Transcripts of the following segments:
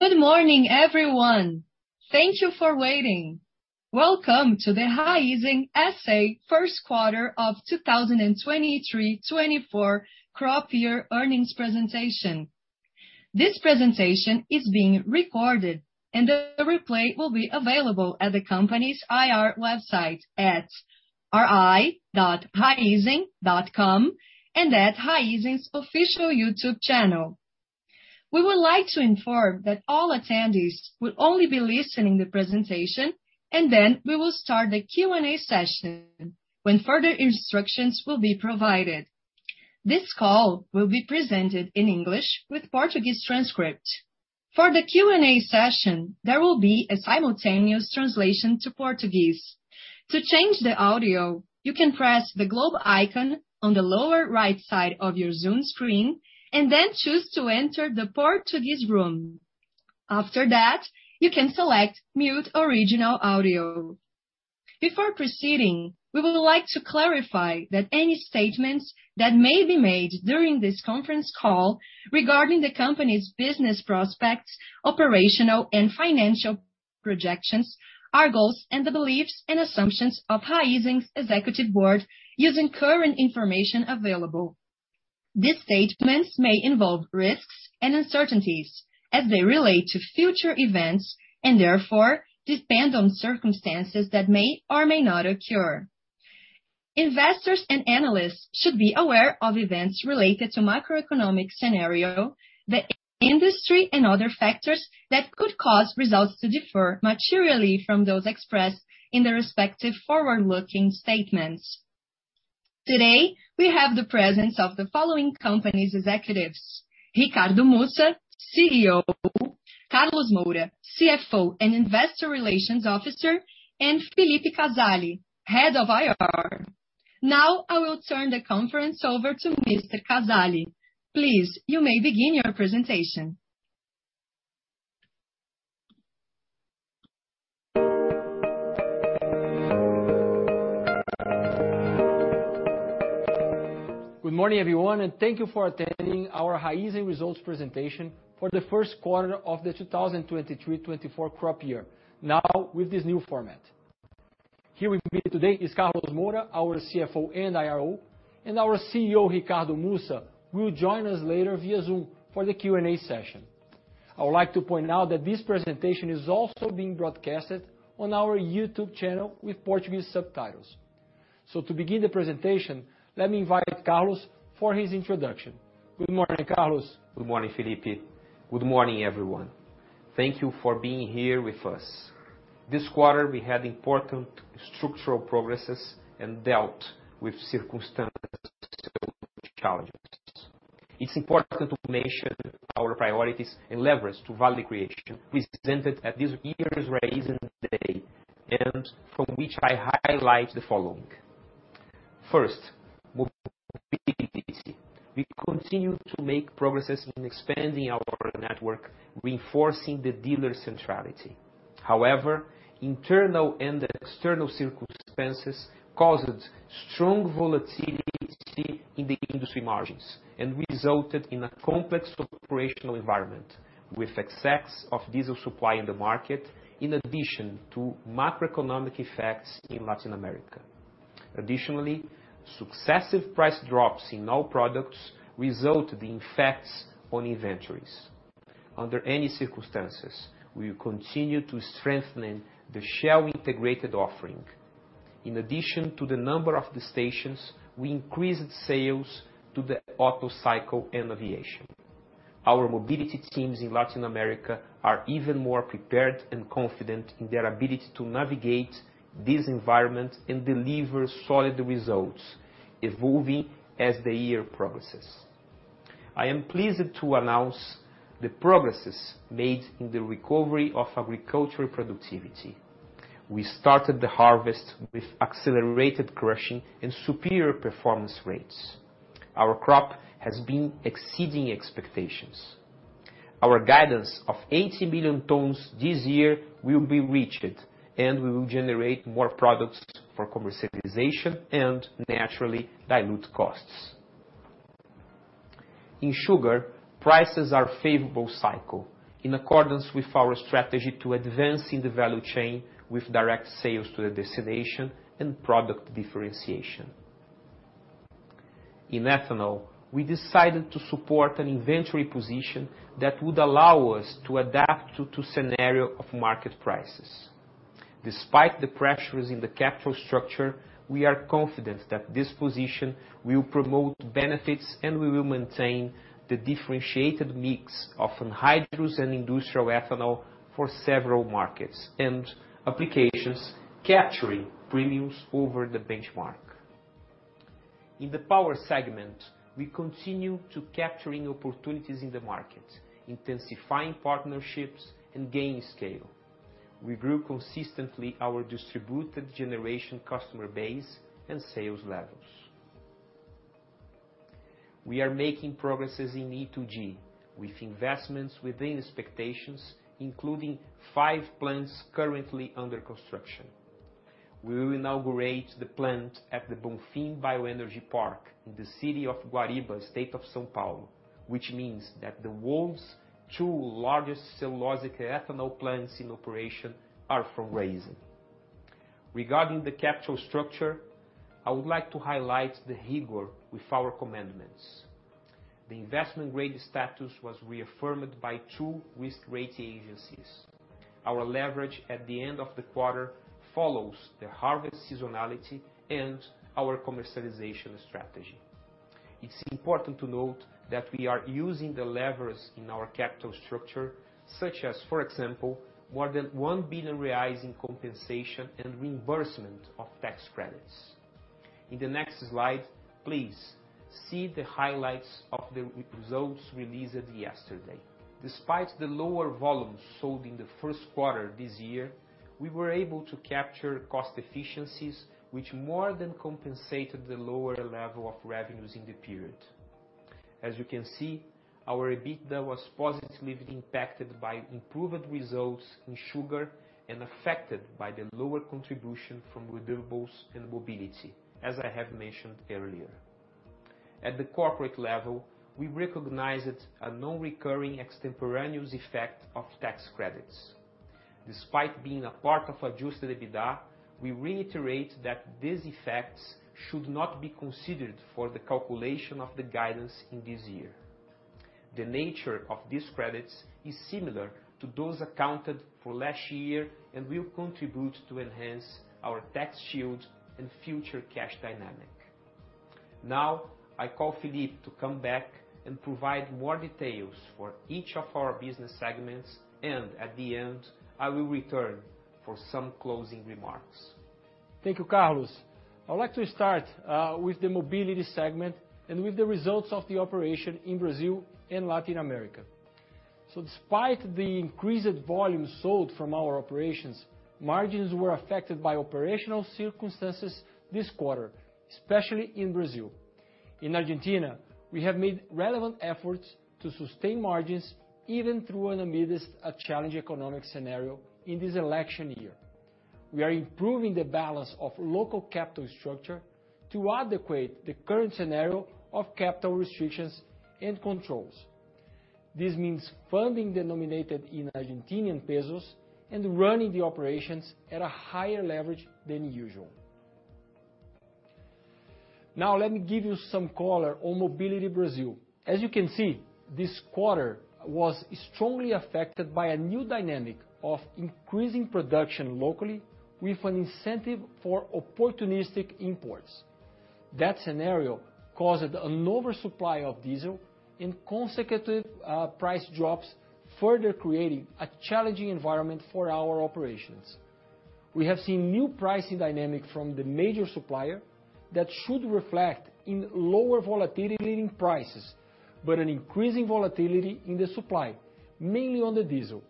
Good morning, everyone. Thank you for waiting. Welcome to the Raízen SA Q1 of 2023-2024 crop year earnings presentation. This presentation is being recorded, and the replay will be available at the company's IR website at ri.raizen.com.br and at Raízen's official YouTube channel. We would like to inform that all attendees will only be listening the presentation. Then we will start the Q&A session, when further instructions will be provided. This call will be presented in English with Portuguese transcript. For the Q&A session, there will be a simultaneous translation to Portuguese. To change the audio, you can press the globe icon on the lower right side of your Zoom screen and then choose to enter the Portuguese room. After that, you can select Mute Original Audio. Before proceeding, we would like to clarify that any statements that may be made during this conference call regarding the company's business prospects, operational and financial projections, our goals, and the beliefs and assumptions of Raízen's executive board using current information available. These statements may involve risks and uncertainties as they relate to future events, and therefore depend on circumstances that may or may not occur. Investors and analysts should be aware of events related to macroeconomic scenario, the industry, and other factors that could cause results to differ materially from those expressed in the respective forward-looking statements. Today, we have the presence of the following company's executives: Ricardo Mussa, CEO; Carlos Moura, CFO and Investor Relations Officer; and Felipe Casali, Head of IR. Now, I will turn the conference over to Mr. Casali. Please, you may begin your presentation. Good morning, everyone, and thank you for attending our Raízen results presentation for the Q1 of the 2023-2024 crop year, now with this new format. Here with me today is Carlos Moura, our CFO and IRO, and our CEO, Ricardo Mussa, will join us later via Zoom for the Q&A session. I would like to point out that this presentation is also being broadcasted on our YouTube channel with Portuguese subtitles. To begin the presentation, let me invite Carlos for his introduction. Good morning, Carlos. Good morning, Felipe. Good morning, everyone. Thank you for being here with us. This quarter, we had important structural progresses and dealt with circumstantial challenges. It's important to mention our priorities and levers to value creation presented at this year's Raízen Day, and from which I highlight the following. First, mobility. We continue to make progresses in expanding our network, reinforcing the dealer centrality. However, internal and external circumstances caused strong volatility in the industry margins and resulted in a complex operational environment, with excess of diesel supply in the market, in addition to macroeconomic effects in Latin America. Additionally, successive price drops in all products resulted in effects on inventories. Under any circumstances, we will continue to strengthen the Shell integrated offering. In addition to the number of the stations, we increased sales to the Otto cycle, and aviation. Our mobility teams in Latin America are even more prepared and confident in their ability to navigate this environment and deliver solid results, evolving as the year progresses. I am pleased to announce the progresses made in the recovery of agricultural productivity. We started the harvest with accelerated crushing and superior performance rates. Our crop has been exceeding expectations. Our guidance of 80 billion tons this year will be reached, and we will generate more products for commercialization and naturally dilute costs. In sugar, prices are favorable cycle, in accordance with our strategy to advancing the value chain with direct sales to the destination and product differentiation. In ethanol, we decided to support an inventory position that would allow us to adapt to two scenario of market prices. Despite the pressures in the capital structure, we are confident that this position will promote benefits, we will maintain the differentiated mix of anhydrous and industrial ethanol for several markets and applications, capturing premiums over the benchmark. In the power segment, we continue to capturing opportunities in the market, intensifying partnerships and gaining scale. We grew consistently our distributed generation customer base and sales levels. We are making progresses in E2G with investments within expectations, including five plants currently under construction.... we will inaugurate the plant at the Bonfim Bioenergy Park in the city of Guariba, state of São Paulo, which means that the world's two largest cellulosic ethanol plants in operation are from Raízen. Regarding the capital structure, I would like to highlight the rigor with our commandments. The investment grade status was reaffirmed by two risk rating agencies. Our leverage at the end of the quarter follows the harvest seasonality and our commercialization strategy. It's important to note that we are using the levers in our capital structure, such as, for example, more than R$1 billion in compensation and reimbursement of tax credits. The next slide, please, see the highlights of the results released yesterday. Despite the lower volumes sold in the Q1 this year, we were able to capture cost efficiencies, which more than compensated the lower level of revenues in the period. As you can see, our EBITDA was positively impacted by improved results in sugar and affected by the lower contribution from renewables and mobility, as I have mentioned earlier. At the corporate level, we recognized a non-recurring extemporaneous effect of tax credits. Despite being a part of adjusted EBITDA, we reiterate that these effects should not be considered for the calculation of the guidance in this year. The nature of these credits is similar to those accounted for last year and will contribute to enhance our tax shield and future cash dynamic. Now, I call Felipe to come back and provide more details for each of our business segments, and at the end, I will return for some closing remarks. Thank you, Carlos. I would like to start with the mobility segment and with the results of the operation in Brazil and Latin America. Despite the increased volume sold from our operations, margins were affected by operational circumstances this quarter, especially in Brazil. In Argentina, we have made relevant efforts to sustain margins, even through and amidst a challenged economic scenario in this election year. We are improving the balance of local capital structure to adequate the current scenario of capital restrictions and controls. This means funding denominated in Argentine pesos and running the operations at a higher leverage than usual. Let me give you some color on Mobility Brazil. As you can see, this quarter was strongly affected by a new dynamic of increasing production locally with an incentive for opportunistic imports. That scenario caused an oversupply of diesel and consecutive price drops, further creating a challenging environment for our operations. We have seen new pricing dynamic from the major supplier that should reflect in lower volatility in prices, but an increasing volatility in the supply, mainly on the diesel.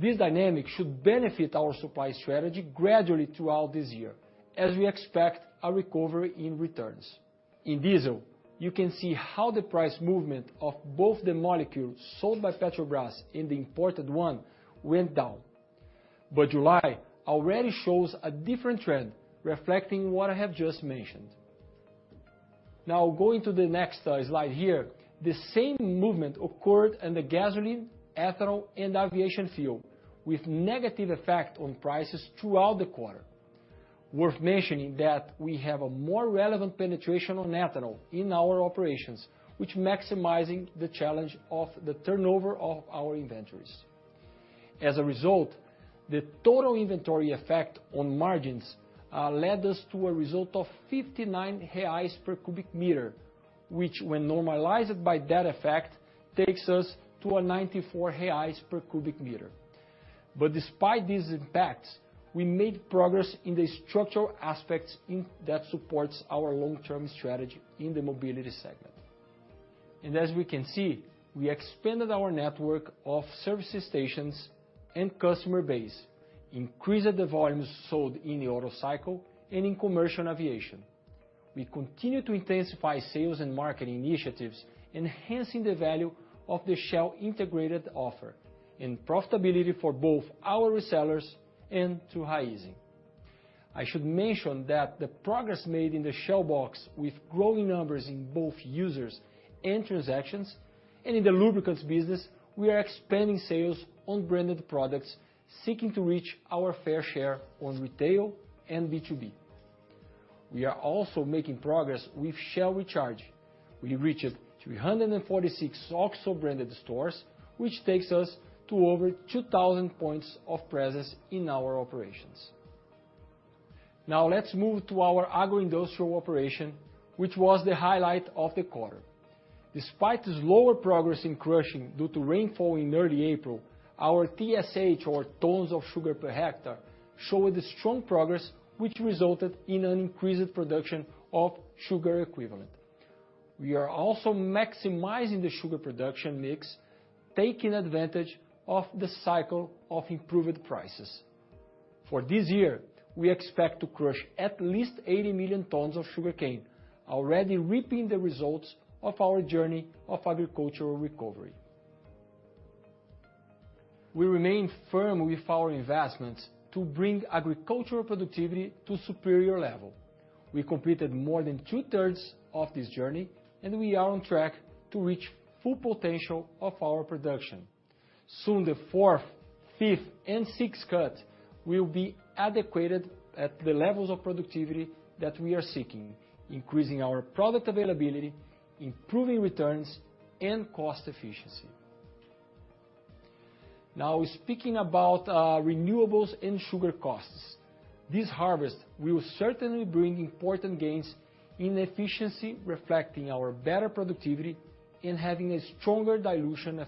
This dynamic should benefit our supply strategy gradually throughout this year, as we expect a recovery in returns. In diesel, you can see how the price movement of both the molecules sold by Petrobras and the imported one went down. July already shows a different trend, reflecting what I have just mentioned. Now, going to the next slide here, the same movement occurred in the gasoline, ethanol, and aviation fuel, with negative effect on prices throughout the quarter. Worth mentioning that we have a more relevant penetration on ethanol in our operations, which maximizing the challenge of the turnover of our inventories. As a result, the total inventory effect on margins, led us to a result of R$59 per cubic meter, which, when normalized by that effect, takes us to a R$94 per cubic meter. Despite these impacts, we made progress in the structural aspects that supports our long-term strategy in the mobility segment. As we can see, we expanded our network of services stations and customer base, increased the volumes sold in the auto cycle and in commercial aviation. We continue to intensify sales and marketing initiatives, enhancing the value of the Shell integrated offer and profitability for both our resellers and to Raízen. I should mention that the progress made in the Shell Box with growing numbers in both users and transactions, and in the lubricants business, we are expanding sales on branded products, seeking to reach our fair share on retail and B2B. We are also making progress with Shell Recharge. We reached 346 OXXO-branded stores, which takes us to over 2,000 points of presence in our operations. Now, let's move to our agro-industrial operation, which was the highlight of the quarter. Despite slower progress in crushing due to rainfall in early April, our TSH, or tons of sugar per hectare, showed a strong progress, which resulted in an increased production of sugar equivalent. We are also maximizing the sugar production mix, taking advantage of the cycle of improved prices. For this year, we expect to crush at least 80 million tons of sugarcane, already reaping the results of our journey of agricultural recovery. We remain firm with our investments to bring agricultural productivity to superior level. We completed more than two-thirds of this journey, and we are on track to reach full potential of our production. Soon, the fourth, fifth, and sixth cut will be adequately at the levels of productivity that we are seeking, increasing our product availability, improving returns, and cost efficiency. Now, speaking about renewables and sugar costs, this harvest will certainly bring important gains in efficiency, reflecting our better productivity and having a stronger dilution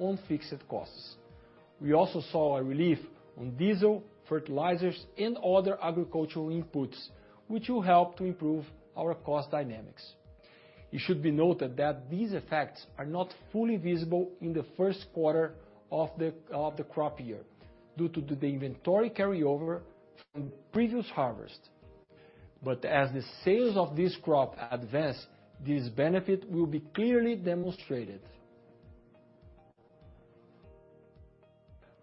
effect on fixed costs. We also saw a relief on diesel, fertilizers, and other agricultural inputs, which will help to improve our cost dynamics. It should be noted that these effects are not fully visible in the Q1 of the crop year, due to the inventory carryover from previous harvest. As the sales of this crop advance, this benefit will be clearly demonstrated.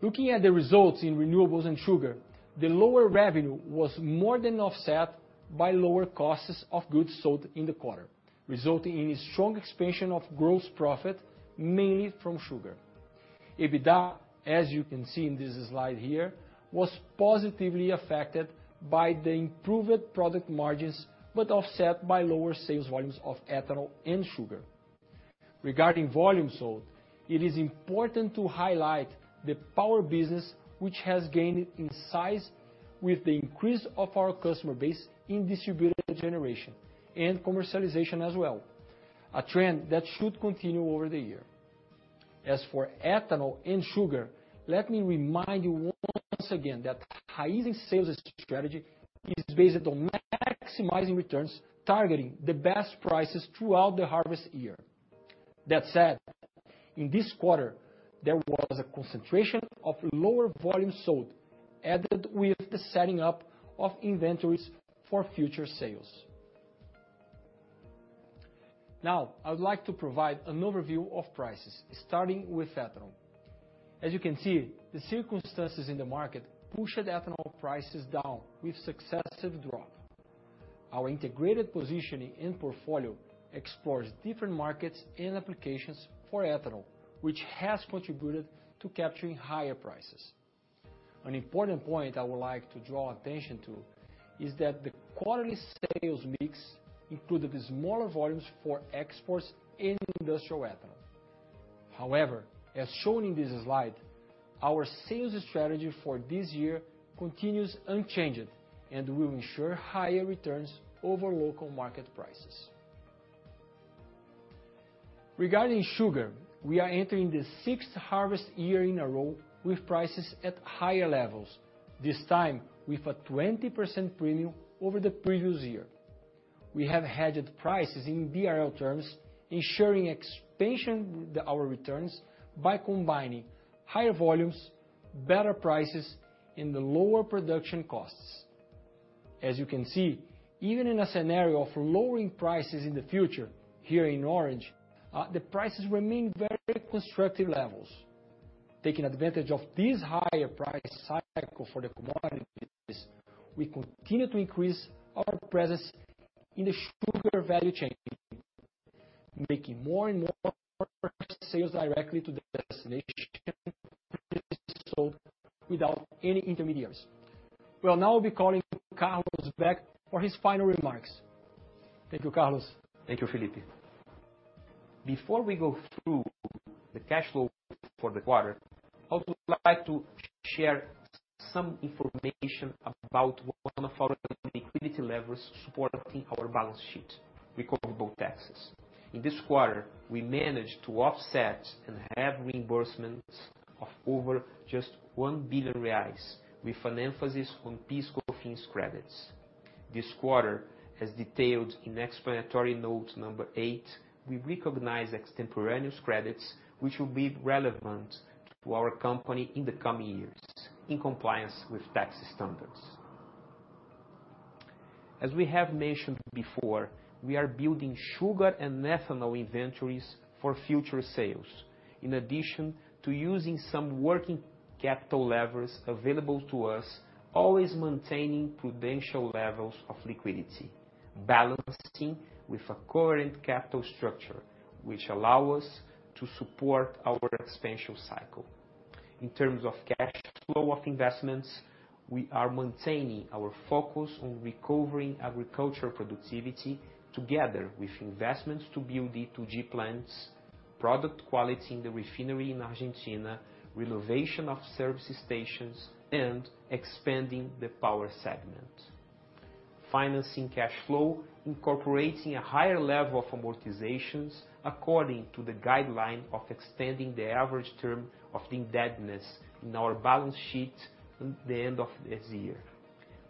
Looking at the results in renewables and sugar, the lower revenue was more than offset by lower costs of goods sold in the quarter, resulting in a strong expansion of gross profit, mainly from sugar. EBITDA, as you can see in this slide here, was positively affected by the improved product margins, but offset by lower sales volumes of ethanol and sugar. Regarding volume sold, it is important to highlight the power business, which has gained in size with the increase of our customer base in distributed generation and commercialization as well, a trend that should continue over the year. As for ethanol and sugar, let me remind you once again that Raízen's sales strategy is based on maximizing returns, targeting the best prices throughout the harvest year. That said, in this quarter, there was a concentration of lower volume sold, added with the setting up of inventories for future sales. Now, I would like to provide an overview of prices, starting with ethanol. As you can see, the circumstances in the market pushed ethanol prices down with successive drop. Our integrated positioning and portfolio explores different markets and applications for ethanol, which has contributed to capturing higher prices. An important point I would like to draw attention to is that the quarterly sales mix included the smaller volumes for exports and industrial ethanol. However, as shown in this slide, our sales strategy for this year continues unchanged and will ensure higher returns over local market prices. Regarding sugar, we are entering the sixth harvest year in a row with prices at higher levels, this time with a 20% premium over the previous year. We have hedged prices in BRL terms, ensuring expansion our returns by combining higher volumes, better prices, and the lower production costs. As you can see, even in a scenario of lowering prices in the future, here in orange, the prices remain very constructive levels. Taking advantage of this higher price cycle for the commodity business, we continue to increase our presence in the sugar value chain, making more and more sales directly to the destination, so without any intermediaries. We'll now be calling Carlos back for his final remarks. Thank you, Carlos. Thank you, Felipe. Before we go through the cash flow for the quarter, I would like to share some information about one of our liquidity levers supporting our balance sheet, recoverable taxes. In this quarter, we managed to offset and have reimbursements of over just 1 billion reais, with an emphasis on PIS/Cofins credits. This quarter, as detailed in explanatory note number eight, we recognize extemporaneous credits, which will be relevant to our company in the coming years, in compliance with tax standards. As we have mentioned before, we are building sugar and ethanol inventories for future sales, in addition to using some working capital levers available to us, always maintaining prudential levels of liquidity, balancing with a current capital structure, which allow us to support our expansion cycle. In terms of cash flow of investments, we are maintaining our focus on recovering agricultural productivity together with investments to build E2G plants, product quality in the refinery in Argentina, renovation of service stations, and expanding the power segment. Financing cash flow, incorporating a higher level of amortizations according to the guideline of extending the average term of the indebtedness in our balance sheet at the end of this year,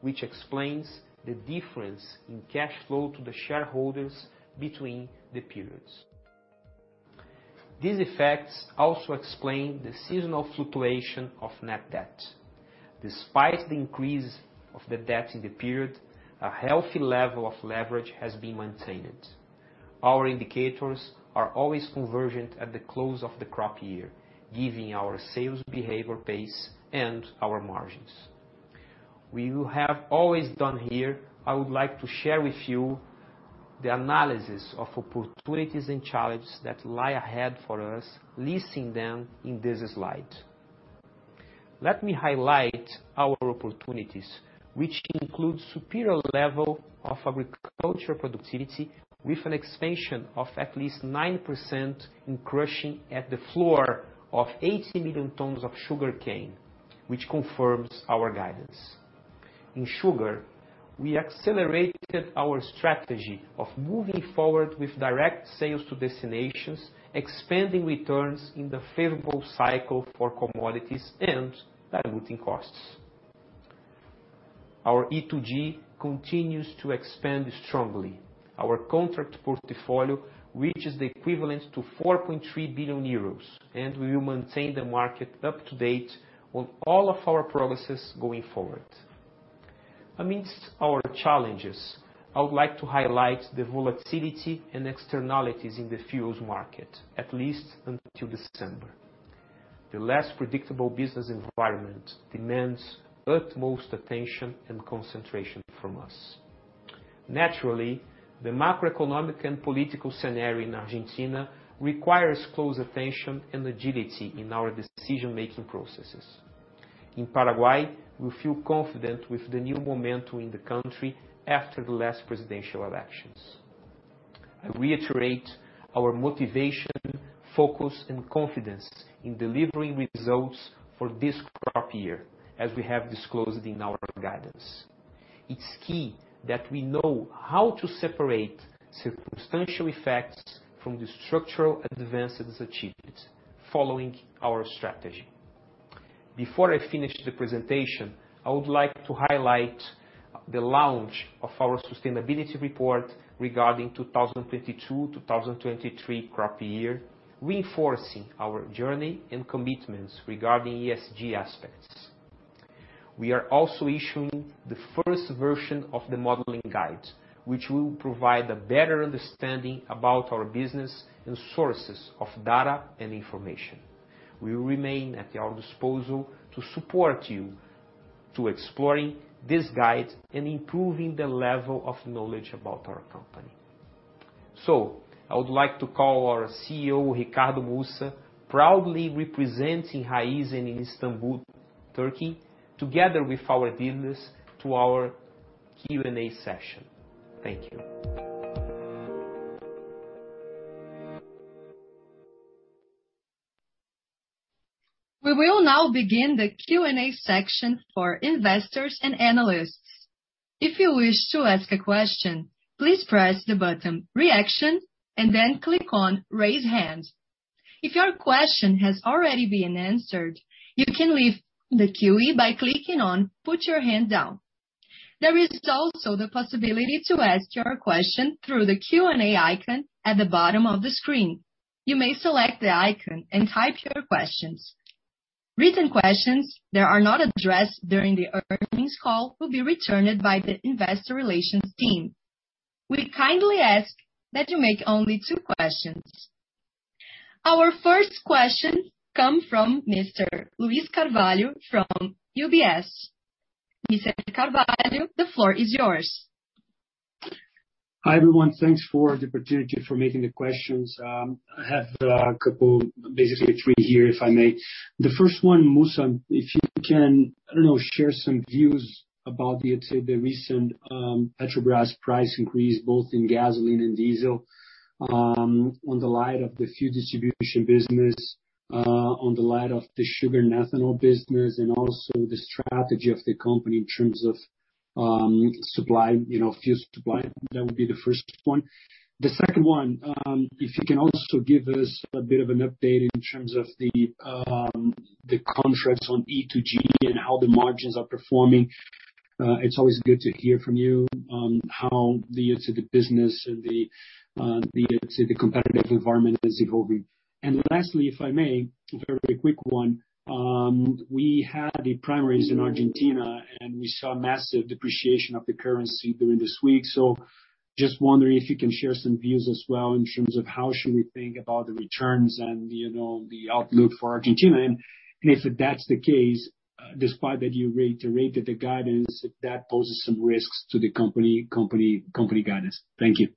which explains the difference in cash flow to the shareholders between the periods. These effects also explain the seasonal fluctuation of net debt. Despite the increase of the debt in the period, a healthy level of leverage has been maintained. Our indicators are always convergent at the close of the crop year, giving our sales behavior pace and our margins. We will have always done here, I would like to share with you the analysis of opportunities and challenges that lie ahead for us, listing them in this slide. Let me highlight our opportunities, which include superior level of agricultural productivity, with an expansion of at least 9% in crushing at the floor of 80 million tons of sugarcane, which confirms our guidance. In sugar, we accelerated our strategy of moving forward with direct sales to destinations, expanding returns in the favorable cycle for commodities and diluting costs. Our E2G continues to expand strongly. Our contract portfolio reaches the equivalent to 4.3 billion euros. We will maintain the market up to date on all of our progresses going forward. Amidst our challenges, I would like to highlight the volatility and externalities in the fuels market, at least until December. The less predictable business environment demands utmost attention and concentration from us. Naturally, the macroeconomic and political scenario in Argentina requires close attention and agility in our decision-making processes. In Paraguay, we feel confident with the new momentum in the country after the last presidential elections. I reiterate our motivation, focus, and confidence in delivering results for this crop year, as we have disclosed in our guidance. It's key that we know how to separate circumstantial effects from the structural advances achieved following our strategy. Before I finish the presentation, I would like to highlight the launch of our sustainability report regarding 2022, 2023 crop year, reinforcing our journey and commitments regarding ESG aspects. We are also issuing the first version of the modeling guide, which will provide a better understanding about our business and sources of data and information. We will remain at your disposal to support you to exploring this guide and improving the level of knowledge about our company. I would like to call our CEO, Ricardo Mussa, proudly representing Raízen in Istanbul, Turkey, together with our dealers, to our Q&A session. Thank you. We will now begin the Q&A section for investors and analysts. If you wish to ask a question, please press the button Reaction and then click on Raise Hand. If your question has already been answered, you can leave the Q&A by clicking on Put Your Hand Down. There is also the possibility to ask your question through the Q&A icon at the bottom of the screen. You may select the icon and type your questions. Written questions that are not addressed during the earnings call will be returned by the investor relations team. We kindly ask that you make only two questions. Our first question come from Mr. Luiz Carvalho from UBS. Mr. Carvalho, the floor is yours. Hi, everyone. Thanks for the opportunity for making the questions. I have a couple, basically three here, if I may. The first one, Mussa, if you can, I don't know, share some views about the, let's say, the recent Petrobras price increase, both in gasoline and diesel, on the light of the fuel distribution business, on the light of the sugar and ethanol business, and also the strategy of the company in terms of supply, you know, fuel supply. That would be the first one. The second one, if you can also give us a bit of an update in terms of the contracts on E2G and how the margins are performing. It's always good to hear from you on how the to the business and the competitive environment is evolving. Lastly, if I may, a very quick one. We had the primaries in Argentina, and we saw massive depreciation of the currency during this week. Just wondering if you can share some views as well in terms of how should we think about the returns and, you know, the outlook for Argentina? If that's the case, despite that you reiterate that the guidance, if that poses some risks to the company guidance? Thank you.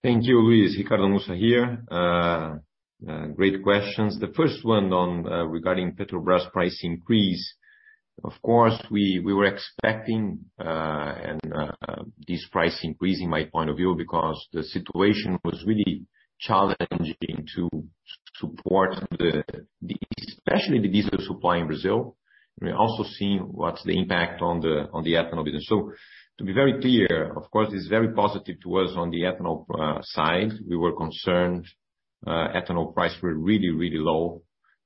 Thank you, Luis. Ricardo Mussa here. Great questions. The first one on regarding Petrobras price increase. Of course, we, we were expecting, and this price increase in my point of view, because the situation was really challenging to support the, the, especially the diesel supply in Brazil. We're also seeing what's the impact on the, on the ethanol business. To be very clear, of course, it's very positive to us on the ethanol side. We were concerned, ethanol price were really, really low,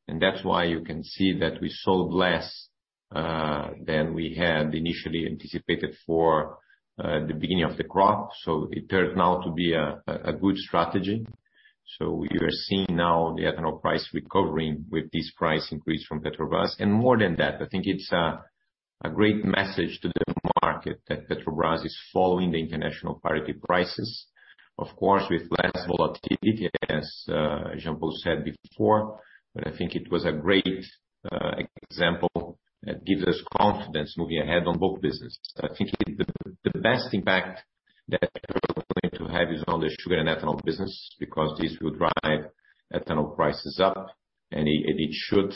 and that's why you can see that we sold less than we had initially anticipated for the beginning of the crop. It turned out to be a, a, a good strategy. We are seeing now the ethanol price recovering with this price increase from Petrobras. More than that, I think it's. A great message to the market that Petrobras is following the international parity prices. Of course, with less volatility, as Jean-Paul said before, but I think it was a great example that gives us confidence moving ahead on both business. I think the best impact that we're going to have is on the sugar and ethanol business, because this will drive ethanol prices up, and it and it should.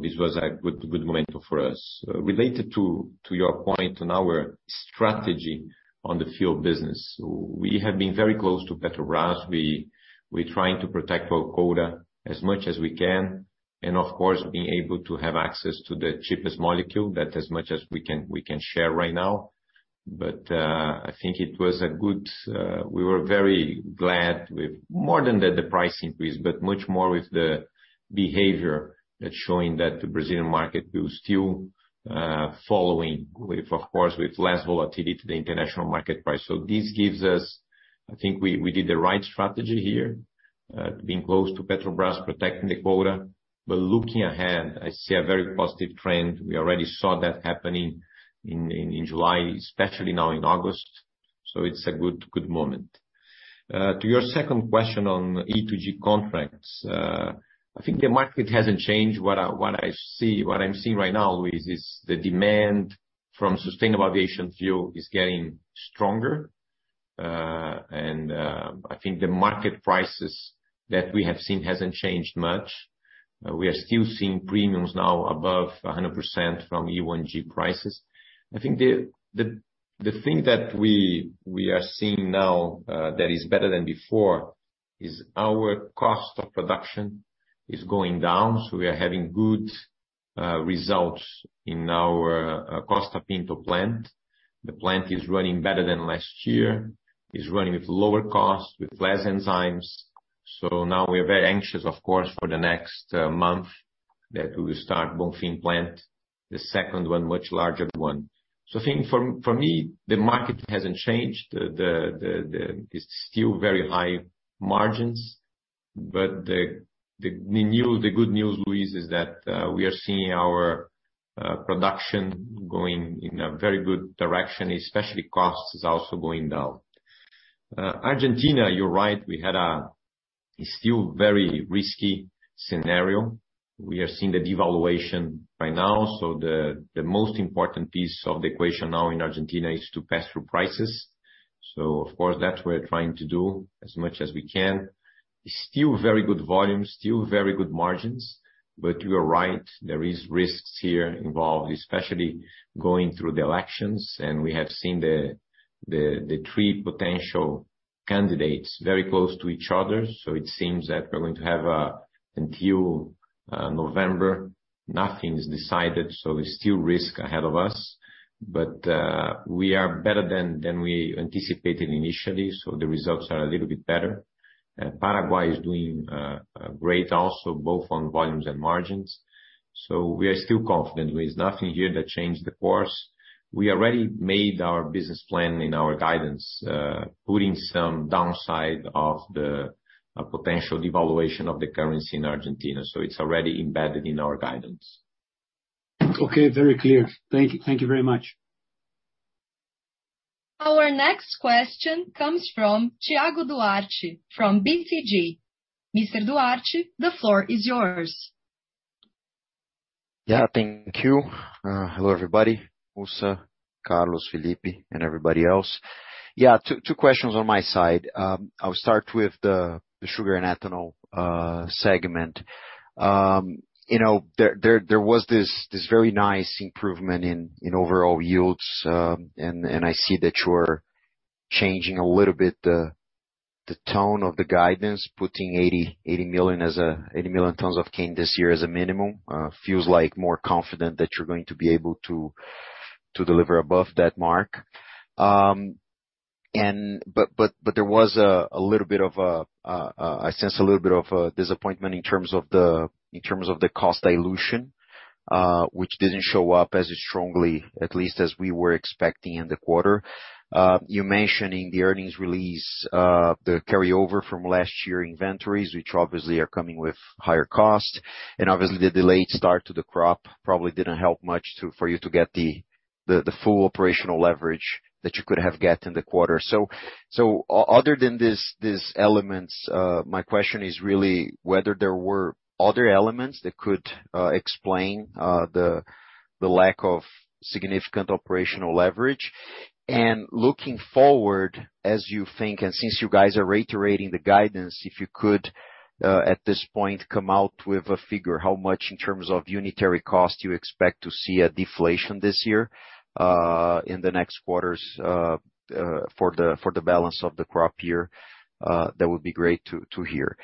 This was a good, good momentum for us. Related to your point on our strategy on the fuel business, we have been very close to Petrobras. We're trying to protect our quota as much as we can, and of course, being able to have access to the cheapest molecule, that as much as we can, we can share right now. I think it was a good, we were very glad with more than the price increase, but much more with the behavior that's showing that the Brazilian market is still following with, of course, with less volatility to the international market price. This gives us. I think we did the right strategy here, being close to Petrobras, protecting the quota. Looking ahead, I see a very positive trend. We already saw that happening in July, especially now in August. It's a good, good moment. To your second question on E2G contracts, I think the market hasn't changed. What I'm seeing right now is the demand from sustainable aviation fuel is getting stronger. And I think the market prices that we have seen hasn't changed much. We are still seeing premiums now above 100% from E1G prices. I think the thing that we are seeing now that is better than before, is our cost of production is going down. We are having good results in our Costa Pinto plant. The plant is running better than last year. It's running with lower costs, with less enzymes. Now we are very anxious, of course, for the next month, that we will start Bonfim plant, the second one, much larger one. I think for, for me, the market hasn't changed. It's still very high margins. The good news, Luis, is that we are seeing our production going in a very good direction, especially costs is also going down. Argentina, you're right, we had a, it's still very risky scenario. We are seeing the devaluation by now, the most important piece of the equation now in Argentina is to pass through prices. Of course, that's what we're trying to do as much as we can. It's still very good volumes, still very good margins, you are right, there is risks here involved, especially going through the elections, we have seen the, the, the three potential candidates very close to each other. It seems that we're going to have Until November, nothing is decided, there's still risk ahead of us. We are better than, than we anticipated initially, the results are a little bit better. Paraguay is doing great also, both on volumes and margins. We are still confident there is nothing here that changed the course. We already made our business plan in our guidance, putting some downside of the potential devaluation of the currency in Argentina, so it's already embedded in our guidance. Okay, very clear. Thank you. Thank you very much. Our next question comes from Thiago Duarte, from BTG. Mr. Duarte, the floor is yours. Yeah, thank you. Hello, everybody. Mussa, Carlos, Felipe, and everybody else. Yeah, two questions on my side. I'll start with the sugar and ethanol segment. You know, there was this very nice improvement in overall yields. I see that you're changing a little bit the tone of the guidance, putting 80 million tons of cane this year as a minimum. Feels like more confident that you're going to be able to deliver above that mark. I sense a little bit of a disappointment in terms of the cost dilution, which didn't show up as strongly, at least as we were expecting in the quarter. You're mentioning the earnings release, the carryover from last year inventories, which obviously are coming with higher cost. Obviously, the delayed start to the crop probably didn't help much for you to get the full operational leverage that you could have got in the quarter. Other than these elements, my question is really whether there were other elements that could explain the lack of significant operational leverage? Looking forward, as you think, and since you guys are reiterating the guidance, if you could at this point, come out with a figure, how much in terms of unitary cost you expect to see a deflation this year, in the next quarters, for the balance of the crop year? That would be great to hear.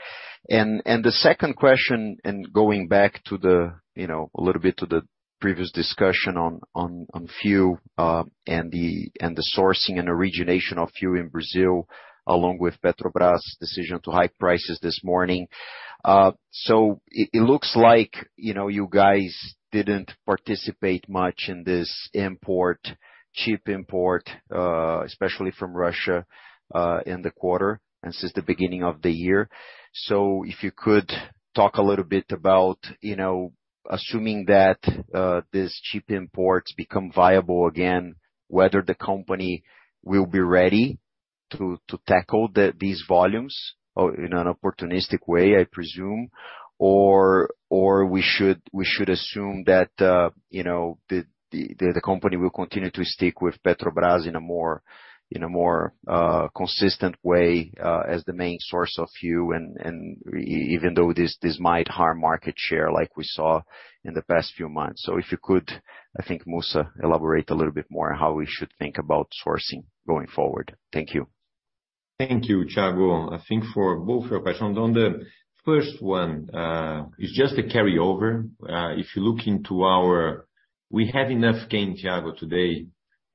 The second question, and going back to the, you know, a little bit to the previous discussion on, on, on fuel, and the, and the sourcing and origination of fuel in Brazil, along with Petrobras' decision to hike prices this morning. It, it looks like, you know, you guys didn't participate much in this import, cheap import, especially from Russia, in the quarter and since the beginning of the year. If you could talk a little bit about, you know, assuming that these cheap imports become viable again, whether the company will be ready? to, to tackle the, these volumes or in an opportunistic way, I presume, or, or we should, we should assume that, you know, the, the, the company will continue to stick with Petrobras in a more, in a more consistent way, as the main source of fuel, and even though this, this might harm market share, like we saw in the past few months. If you could, I think, Mussa, elaborate a little bit more on how we should think about sourcing going forward. Thank you. Thank you, Thiago. I think for both your questions, on the first one, it's just a carryover. If you look into we have enough cane, Thiago, today,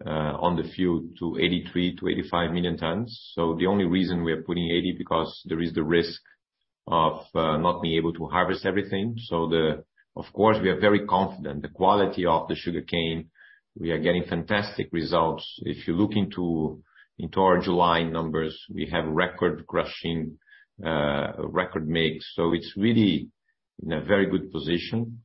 on the field to 83 million-85 million tons. The only reason we are putting 80, because there is the risk of not being able to harvest everything. Of course, we are very confident. The quality of the sugarcane, we are getting fantastic results. If you look into, into our July numbers, we have record crushing, record mix, it's really in a very good position.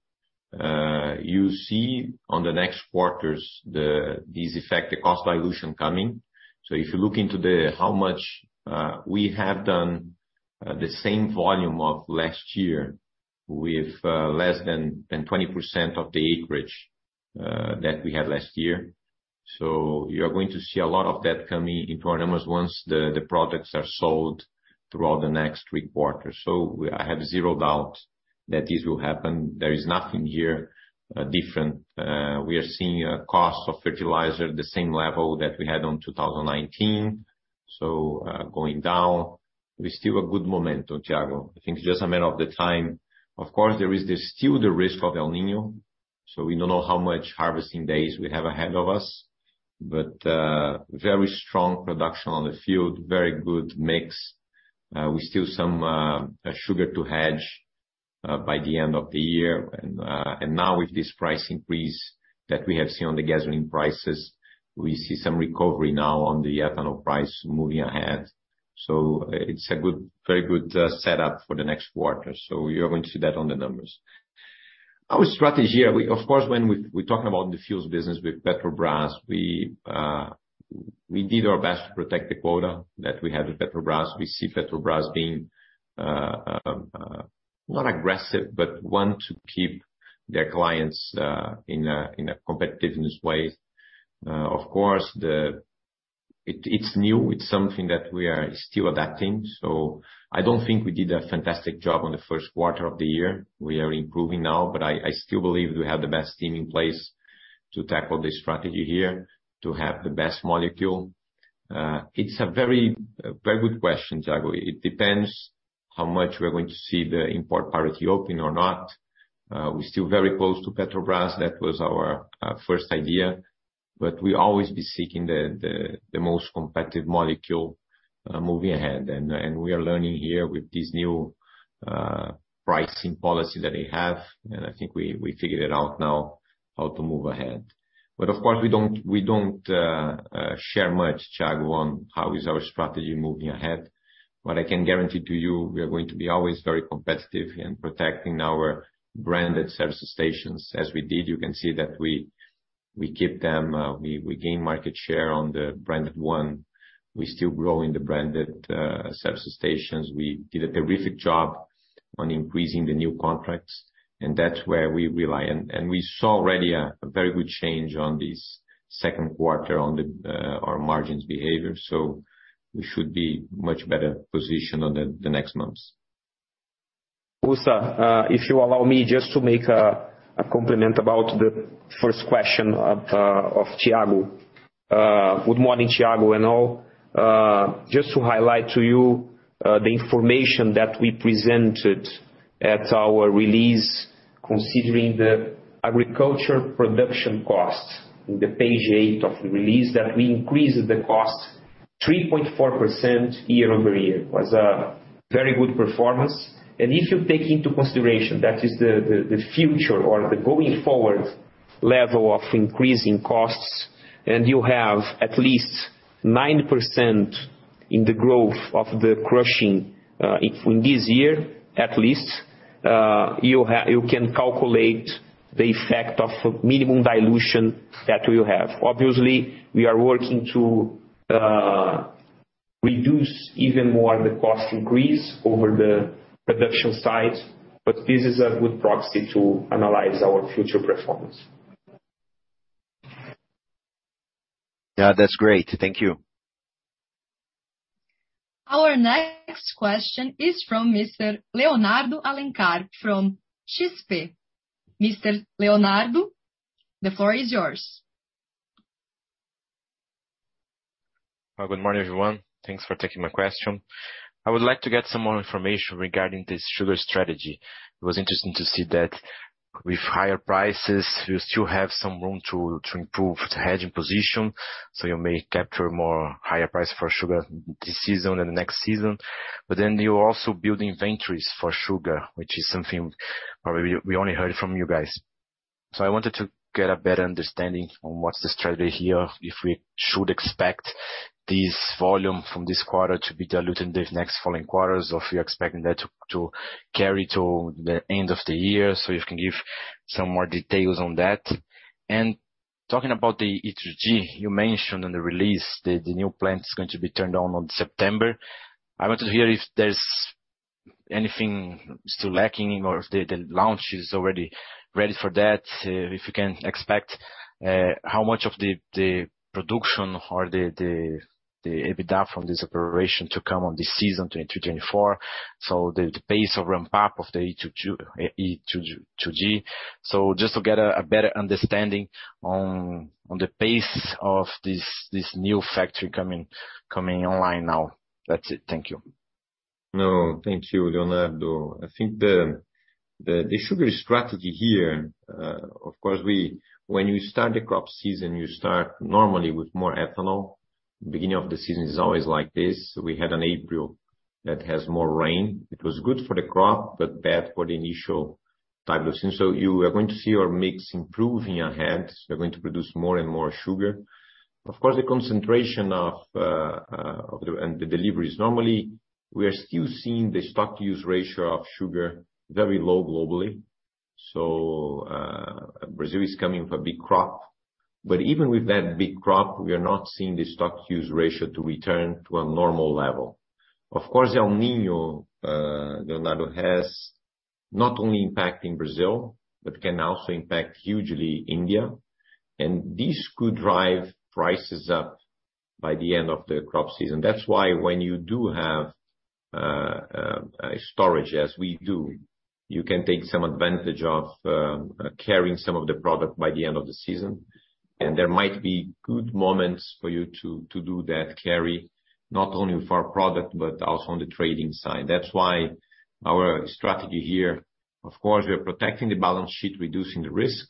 You see on the next quarters, the, this effect, the cost dilution coming. If you look into the, how much we have done, the same volume of last year with less than 20% of the acreage that we had last year. You are going to see a lot of that coming into our numbers once the products are sold throughout the next three quarters. I have zero doubt that this will happen. There is nothing here different. We are seeing a cost of fertilizer the same level that we had on 2019, so going down. We still a good momentum, Thiago. I think it's just a matter of the time. Of course, there is still the risk of El Niño, so we don't know how much harvesting days we have ahead of us. Very strong production on the field, very good mix. We still some sugar to hedge by the end of the year. Now with this price increase that we have seen on the gasoline prices, we see some recovery now on the ethanol price moving ahead. It's a good, very good setup for the next quarter, you are going to see that on the numbers. Our strategy, of course, when we, we're talking about the fuels business with Petrobras, we did our best to protect the quota that we had with Petrobras. We see Petrobras being not aggressive, but one to keep their clients in a competitiveness way. Of course, It, it's new. It's something that we are still adapting, I don't think we did a fantastic job on the Q1 of the year. We are improving now, but I, I still believe we have the best team in place to tackle the strategy here, to have the best molecule. It's a very, a very good question, Thiago. It depends how much we are going to see the import parity open or not. We're still very close to Petrobras. That was our first idea, but we always be seeking the, the, the most competitive molecule moving ahead. We are learning here with this new pricing policy that they have, and I think we, we figured it out now how to move ahead. Of course, we don't, we don't share much, Thiago, on how is our strategy moving ahead. What I can guarantee to you, we are going to be always very competitive in protecting our branded service stations as we did. You can see that we, we keep them. We, we gain market share on the branded one. We still grow in the branded service stations. We did a terrific job on increasing the new contracts, and that's where we rely on. We saw already a very good change on this second quarter on the our margins behavior, so we should be much better positioned on the next months. Mussa, if you allow me just to make a compliment about the first question of Thiago. Good morning, Thiago, and all. Just to highlight to you the information that we presented at our release, considering the agriculture production cost, on page eight of the release, that we increased the cost 3.4% year-over-year. Was a very good performance. If you take into consideration, that is the, the, the future or the going forward level of increasing costs, and you have at least 9% in the growth of the crushing in this year, at least, you can calculate the effect of minimum dilution that we will have. Obviously, we are working to reduce even more the cost increase over the production side. This is a good proxy to analyze our future performance. Yeah, that's great. Thank you. Our next question is from Mr. Leonardo Alencar, from XPE. Mr. Leonardo, the floor is yours. Good morning, everyone. Thanks for taking my question. I would like to get some more information regarding the sugar strategy. It was interesting to see that with higher prices, you still have some room to improve the hedging position, so you may capture more higher price for sugar this season and the next season. You're also building inventories for sugar, which is something probably we only heard from you guys. I wanted to get a better understanding on what's the strategy here, if we should expect this volume from this quarter to be diluted in the next following quarters, or if you're expecting that to carry to the end of the year, so you can give some more details on that. Talking about the E2G, you mentioned in the release that the new plant is going to be turned on on September. I wanted to hear if there's anything still lacking or if the, the launch is already ready for that. If you can expect, how much of the, the production or the, the, the EBITDA from this operation to come on this season, 2022-2024. The, the pace of ramp-up of the E2G- E-2G. Just to get a, a better understanding on, on the pace of this, this new factory coming, coming online now. That's it. Thank you. No, thank you, Leonardo. I think the, the, the sugar strategy here, of course, when you start the crop season, you start normally with more ethanol. Beginning of the season is always like this. We had an April that has more rain. It was good for the crop, but bad for the initial type of season. You are going to see our mix improving ahead. We're going to produce more and more sugar. Of course, the concentration of and the deliveries, normally we are still seeing the stock-to-use ratio of sugar very low globally. Brazil is coming with a big crop, but even with that big crop, we are not seeing the stock-to-use ratio to return to a normal level. Of course, El Niño, Leonardo, has not only impact in Brazil, but can also impact hugely India, and this could drive prices up by the end of the crop season. That's why when you do have a storage, as we do, you can take some advantage of carrying some of the product by the end of the season. There might be good moments for you to, to do that carry, not only for our product, but also on the trading side. That's why our strategy here, of course, we are protecting the balance sheet, reducing the risk,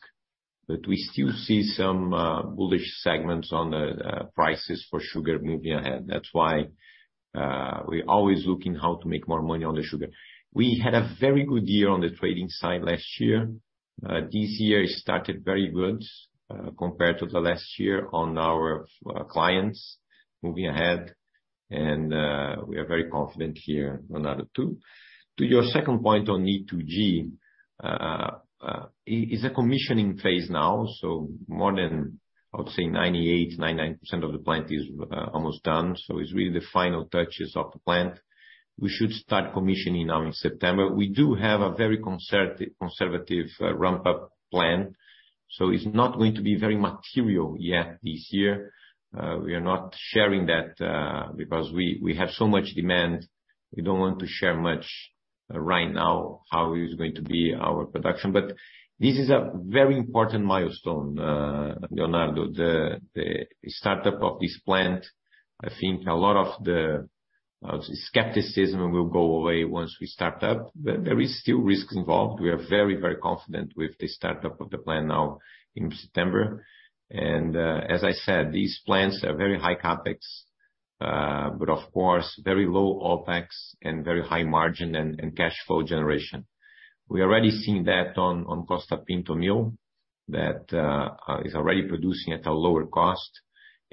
but we still see some bullish segments on the prices for sugar moving ahead. That's why we're always looking how to make more money on the sugar. We had a very good year on the trading side last year. This year started very good compared to the last year on our clients moving ahead. We are very confident here, Leonardo, too. To your second point on E2G, it's a commissioning phase now, so more than, I would say, 98-99% of the plant is almost done, so it's really the final touches of the plant. We should start commissioning now in September. We do have a very conservative ramp-up plan, so it's not going to be very material yet this year. We are not sharing that because we have so much demand, we don't want to share much right now how is going to be our production. This is a very important milestone, Leonardo, the startup of this plant. I think a lot of the, I would say, skepticism will go away once we start up, but there is still risk involved. We are very, very confident with the startup of the plant now in September. As I said, these plants are very high CapEx, but of course, very low OpEx and very high margin and cash flow generation. We already seen that on Costa Pinto mill, that is already producing at a lower cost,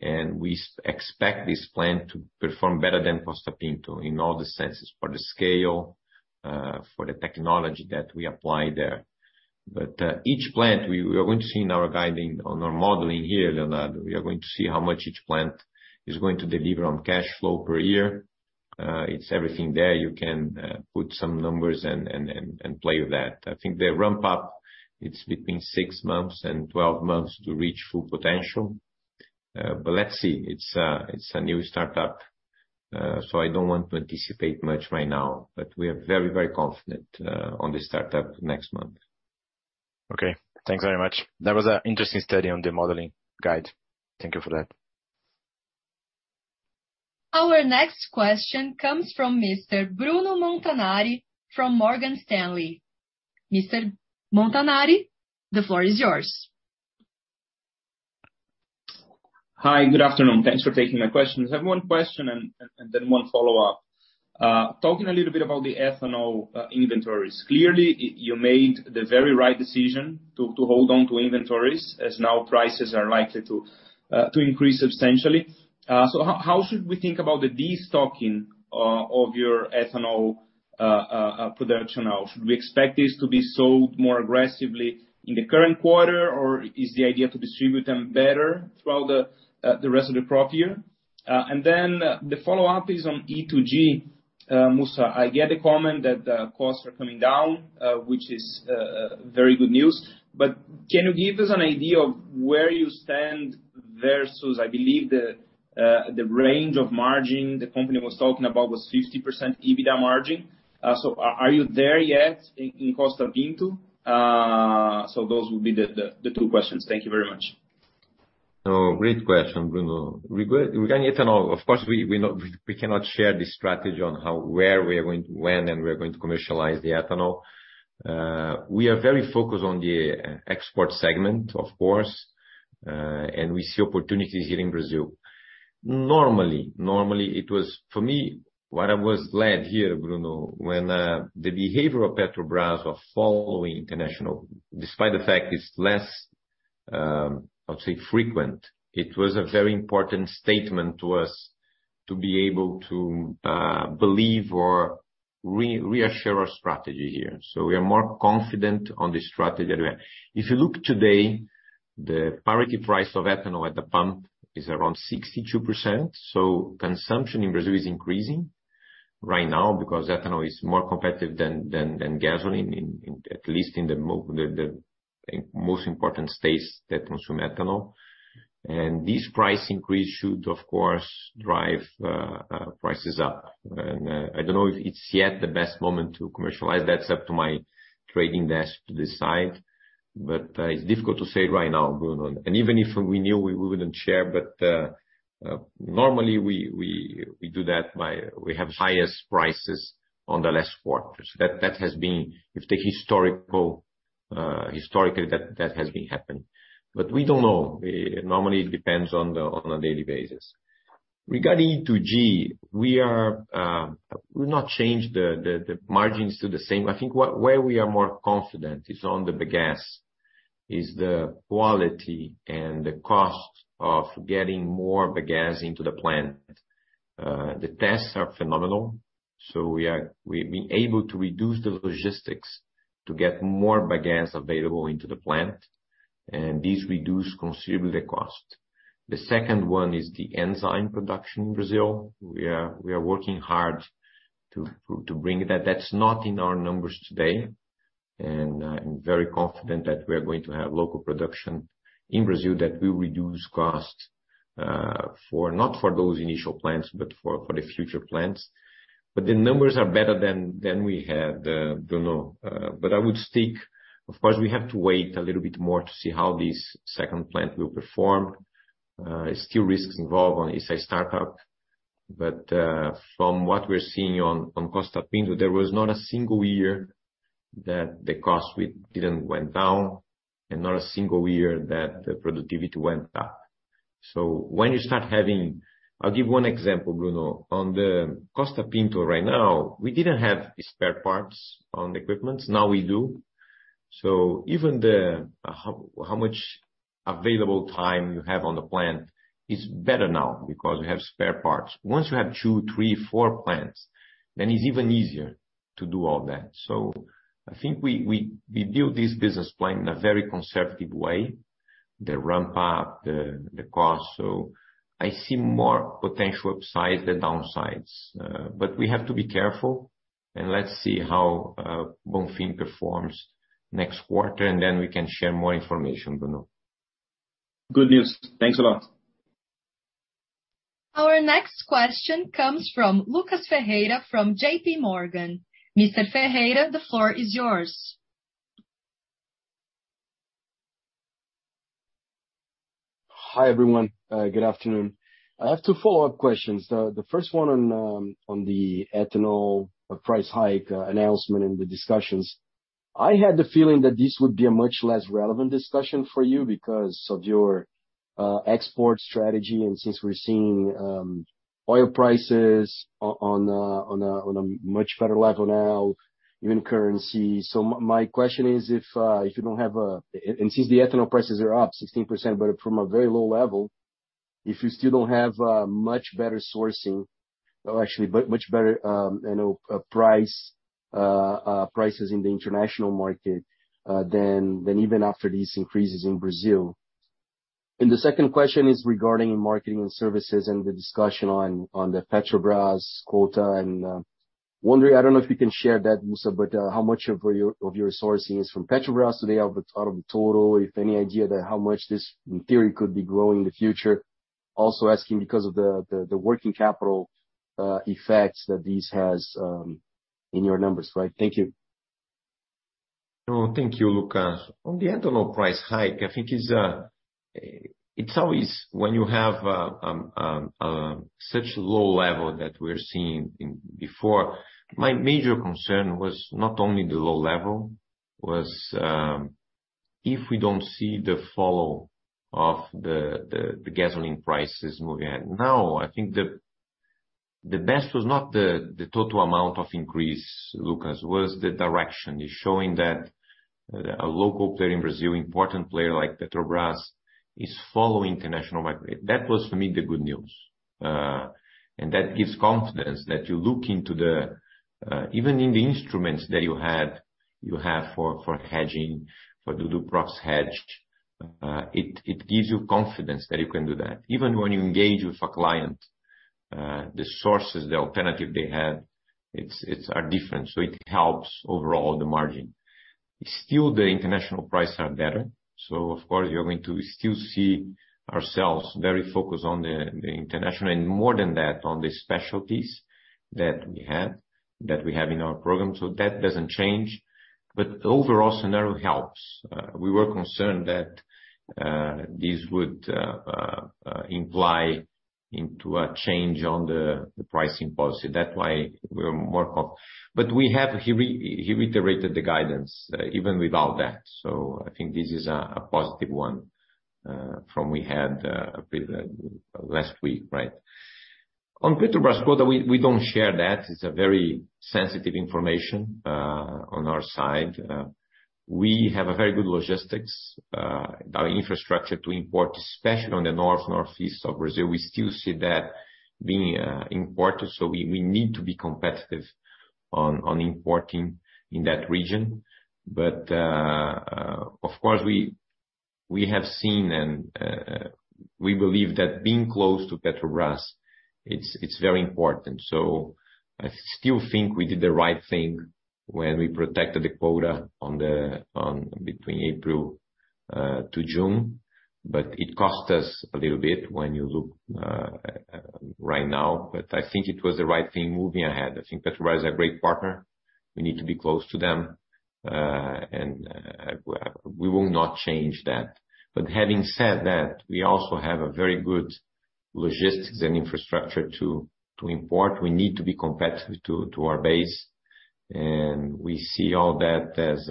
and we expect this plant to perform better than Costa Pinto in all the senses, for the scale, for the technology that we apply there. Each plant, we are going to see in our guiding, on our modeling here, Leonardo, we are going to see how much each plant is going to deliver on cash flow per year. It's everything there. You can put some numbers and, and, and, and play with that. I think the ramp up, it's between six months and 12 months to reach full potential. Let's see. It's a, it's a new startup, so I don't want to anticipate much right now, but we are very, very confident on the startup next month. Okay. Thanks very much. That was an interesting study on the modeling guide. Thank you for that. Our next question comes from Mr. Bruno Montanari, from Morgan Stanley. Mr. Montanari, the floor is yours. Hi, good afternoon. Thanks for taking my questions. I have one question and then one follow-up. Talking a little bit about the ethanol inventories. Clearly, you made the very right decision to hold on to inventories, as now prices are likely to increase substantially. How should we think about the destocking of your ethanol production now? Should we expect this to be sold more aggressively in the current quarter, or is the idea to distribute them better throughout the rest of the crop year? Then the follow-up is on E2G. Mussa, I get the comment that the costs are coming down, which is very good news, but can you give us an idea of where you stand versus... I believe the range of margin the company was talking about was 50% EBITDA margin. Are you there yet in Costa Pinto? Those will be the two questions. Thank you very much. Great question, Bruno. Regarding ethanol, of course, we cannot share the strategy on how, where we are going to when and we are going to commercialize the ethanol. We are very focused on the export segment, of course, and we see opportunities here in Brazil. Normally, normally, it was for me, what I was glad here, Bruno, when the behavior of Petrobras was following international, despite the fact it's less, I would say, frequent, it was a very important statement to us to be able to believe or reassure our strategy here. We are more confident on the strategy that we have. If you look today, the parity price of ethanol at the pump is around 62%, so consumption in Brazil is increasing right now because ethanol is more competitive than, than, than gasoline in, in at least in the mo- the, the most important states that consume ethanol. This price increase should, of course, drive prices up. I don't know if it's yet the best moment to commercialize, that's up to my trading desk to decide. It's difficult to say right now, Bruno. Even if we knew, we wouldn't share, but normally, we, we, we do that, we have highest prices on the last quarter. That, that has been, if the historical, historically, that, that has been happening. We don't know. Normally, it depends on a daily basis. Regarding E2G, we've not changed the margins to the same. I think where we are more confident is on the bagasse, is the quality and the cost of getting more bagasse into the plant. The tests are phenomenal, so we've been able to reduce the logistics to get more bagasse available into the plant, and this reduce considerably the cost. The second one is the enzyme production in Brazil. We are working hard to bring that. That's not in our numbers today, and I'm very confident that we are going to have local production in Brazil that will reduce cost for not for those initial plants, but for the future plants. The numbers are better than we had, Bruno. I would stick. Of course, we have to wait a little bit more to see how this second plant will perform. Still risks involved on its startup. From what we're seeing on Costa Pinto, there was not a single year that the cost didn't went down, and not a single year that the productivity went up. When you start having. I'll give one example, Bruno. On the Costa Pinto right now, we didn't have spare parts on the equipments. Now we do. Even how much available time you have on the plant is better now because we have spare parts. Once you have two, three, four plants, it's even easier to do all that. I think we build this business plan in a very conservative way, the ramp up, the cost. I see more potential upsides than downsides. But we have to be careful, and let's see how Bonfim performs next quarter, and then we can share more information, Bruno. Good news. Thanks a lot. Our next question comes from Lucas Ferreira, from JPMorgan. Mr. Ferreira, the floor is yours. Hi, everyone. good afternoon. I have two follow-up questions. The first one on, on the ethanol price hike, announcement and the discussions. I had the feeling that this would be a much less relevant discussion for you because of your export strategy, and since we're seeing oil prices on a much better level now, even currency. My question is, if you don't have and since the ethanol prices are up 16%, but from a very low level, if you still don't have a much better sourcing... or actually, but much better, you know, price prices in the international market, than even after these increases in Brazil? The second question is regarding marketing and services and the discussion on the Petrobras quota, and wondering, I don't know if you can share that, Luca, but how much of your sourcing is from Petrobras today out of the total? If any idea that how much this, in theory, could be growing in the future. Also asking because of the working capital effects that this has in your numbers, right? Thank you. No, thank you, Lucas. On the ethanol price hike, I think it's, it's always when you have such low level that we're seeing in before, my major concern was not only the low level, was if we don't see the follow of the gasoline prices moving. I think the best was not the total amount of increase, Lucas, was the direction. It's showing that a local player in Brazil, important player like Petrobras, is following international market. That was, for me, the good news. That gives confidence that you look into the even in the instruments that you had, you have for hedging, for to do prox hedge, it gives you confidence that you can do that. Even when you engage with a client, the sources, the alternative they have, it's are different, it helps overall the margin. Still, the international prices are better, of course, you're going to still see ourselves very focused on the international, and more than that, on the specialties that we have, that we have in our program. That doesn't change. The overall scenario helps. We were concerned that this would imply into a change on the pricing policy. That's why we're more, but we have he reiterated the guidance, even without that, I think this is a positive one from we had a pre- last week, right? On Petrobras quota, we don't share that. It's a very sensitive information on our side. We have a very good logistics, our infrastructure to import, especially on the north, northeast of Brazil. We still see that being important, so we need to be competitive on, on importing in that region. Of course, we have seen and we believe that being close to Petrobras, it's, it's very important. I still think we did the right thing when we protected the quota on the, on between April to June, but it cost us a little bit when you look right now. I think it was the right thing moving ahead. I think Petrobras is a great partner. We need to be close to them, and we will not change that. Having said that, we also have a very good logistics and infrastructure to, to import. We need to be competitive to, to our base, and we see all that as,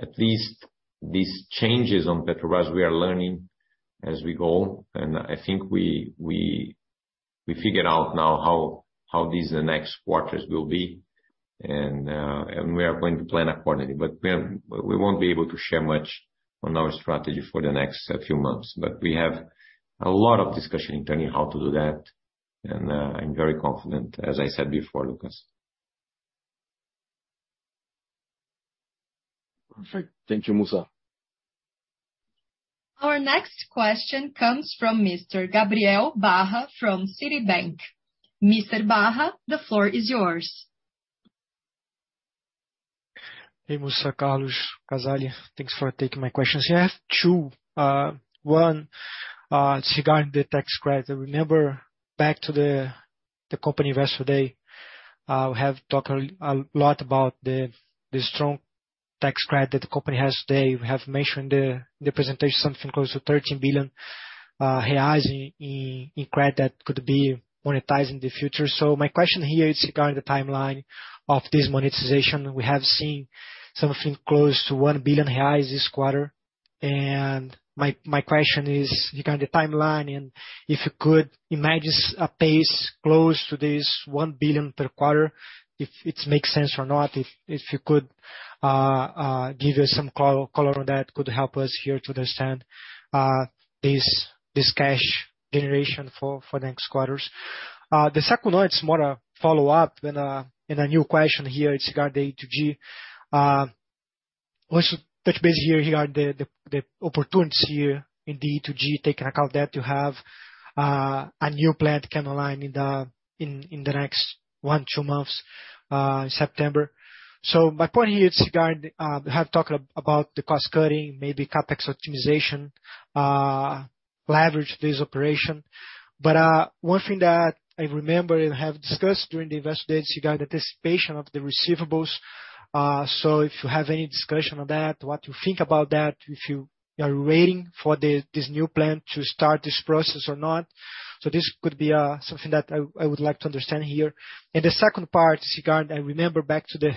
at least these changes on Petrobras, we are learning as we go. I think we, we, we figured out now how, how these next quarters will be, and we are going to plan accordingly. We, we won't be able to share much on our strategy for the next few months. We have a lot of discussion internally how to do that, and I'm very confident, as I said before, Lucas. Perfect. Thank you, Mussa. Our next question comes from Mr. Gabriel Barra from Citibank. Mr. Barra, the floor is yours. Hey, Mussa, Carlos, Casali. Thanks for taking my questions. I have two. One regarding the tax credit. Remember back to the company Investor Day, we have talked a lot about the strong tax credit the company has today. We have mentioned the presentation, something close to R$ 13 billion in credit that could be monetized in the future. My question here is regarding the timeline of this monetization. We have seen something close to R$ 1 billion this quarter, and my question is regarding the timeline, and if you could imagine a pace close to this R$ 1 billion per quarter, if it makes sense or not, if you could give us some color that could help us here to understand this cash generation for the next quarters. The second one, it's more a follow-up than a, than a new question here. It's regarding the E2G. What's the touch base here regarding the, the, the opportunities here in the E2G, taking account that you have a new plant coming online in the, in, in the next one, two months, September. My point here is regarding, have talked about the cost cutting, maybe CapEx optimization, leverage this operation. One thing that I remember and have discussed during the Investor Day regarding anticipation of the receivables, so if you have any discussion on that, what you think about that, if you are waiting for this new plan to start this process or not. This could be something that I, I would like to understand here. The second part is regarding, I remember back to the,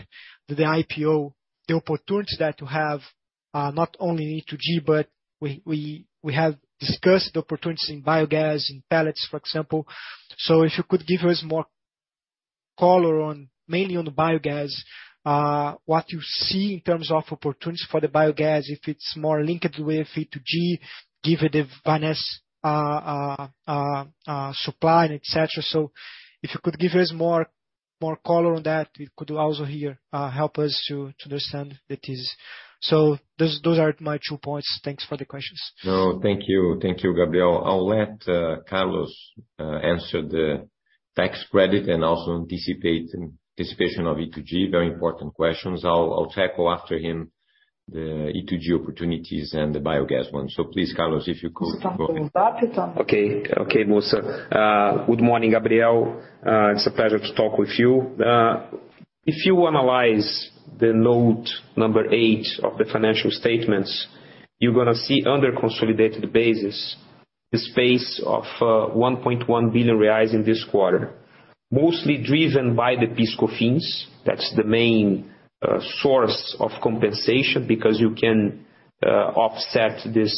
to the IPO, the opportunities that you have, not only E2G, but we, we, we have discussed the opportunities in biogas and pellets, for example. If you could give us more color on mainly on the biogas, what you see in terms of opportunities for the biogas, if it's more linked with E2G, given the various supply and et cetera. If you could give us more, more color on that, it could also here help us to, to understand that is. Those, those are my two points. Thanks for the questions. No, thank you. Thank you, Gabriel. I'll let Carlos answer the tax credit and also anticipate anticipation of E2G. Very important questions. I'll, I'll tackle after him the E2G opportunities and the biogas one. Please, Carlos, if you could go. Okay. Okay, Mussa. Good morning, Gabriel. It's a pleasure to talk with you. If you analyze the note number eight of the financial statements, you're gonna see under consolidated basis, the space of R$ 1.1 billion in this quarter, mostly driven by the PIS/COFINS. That's the main source of compensation, because you can offset this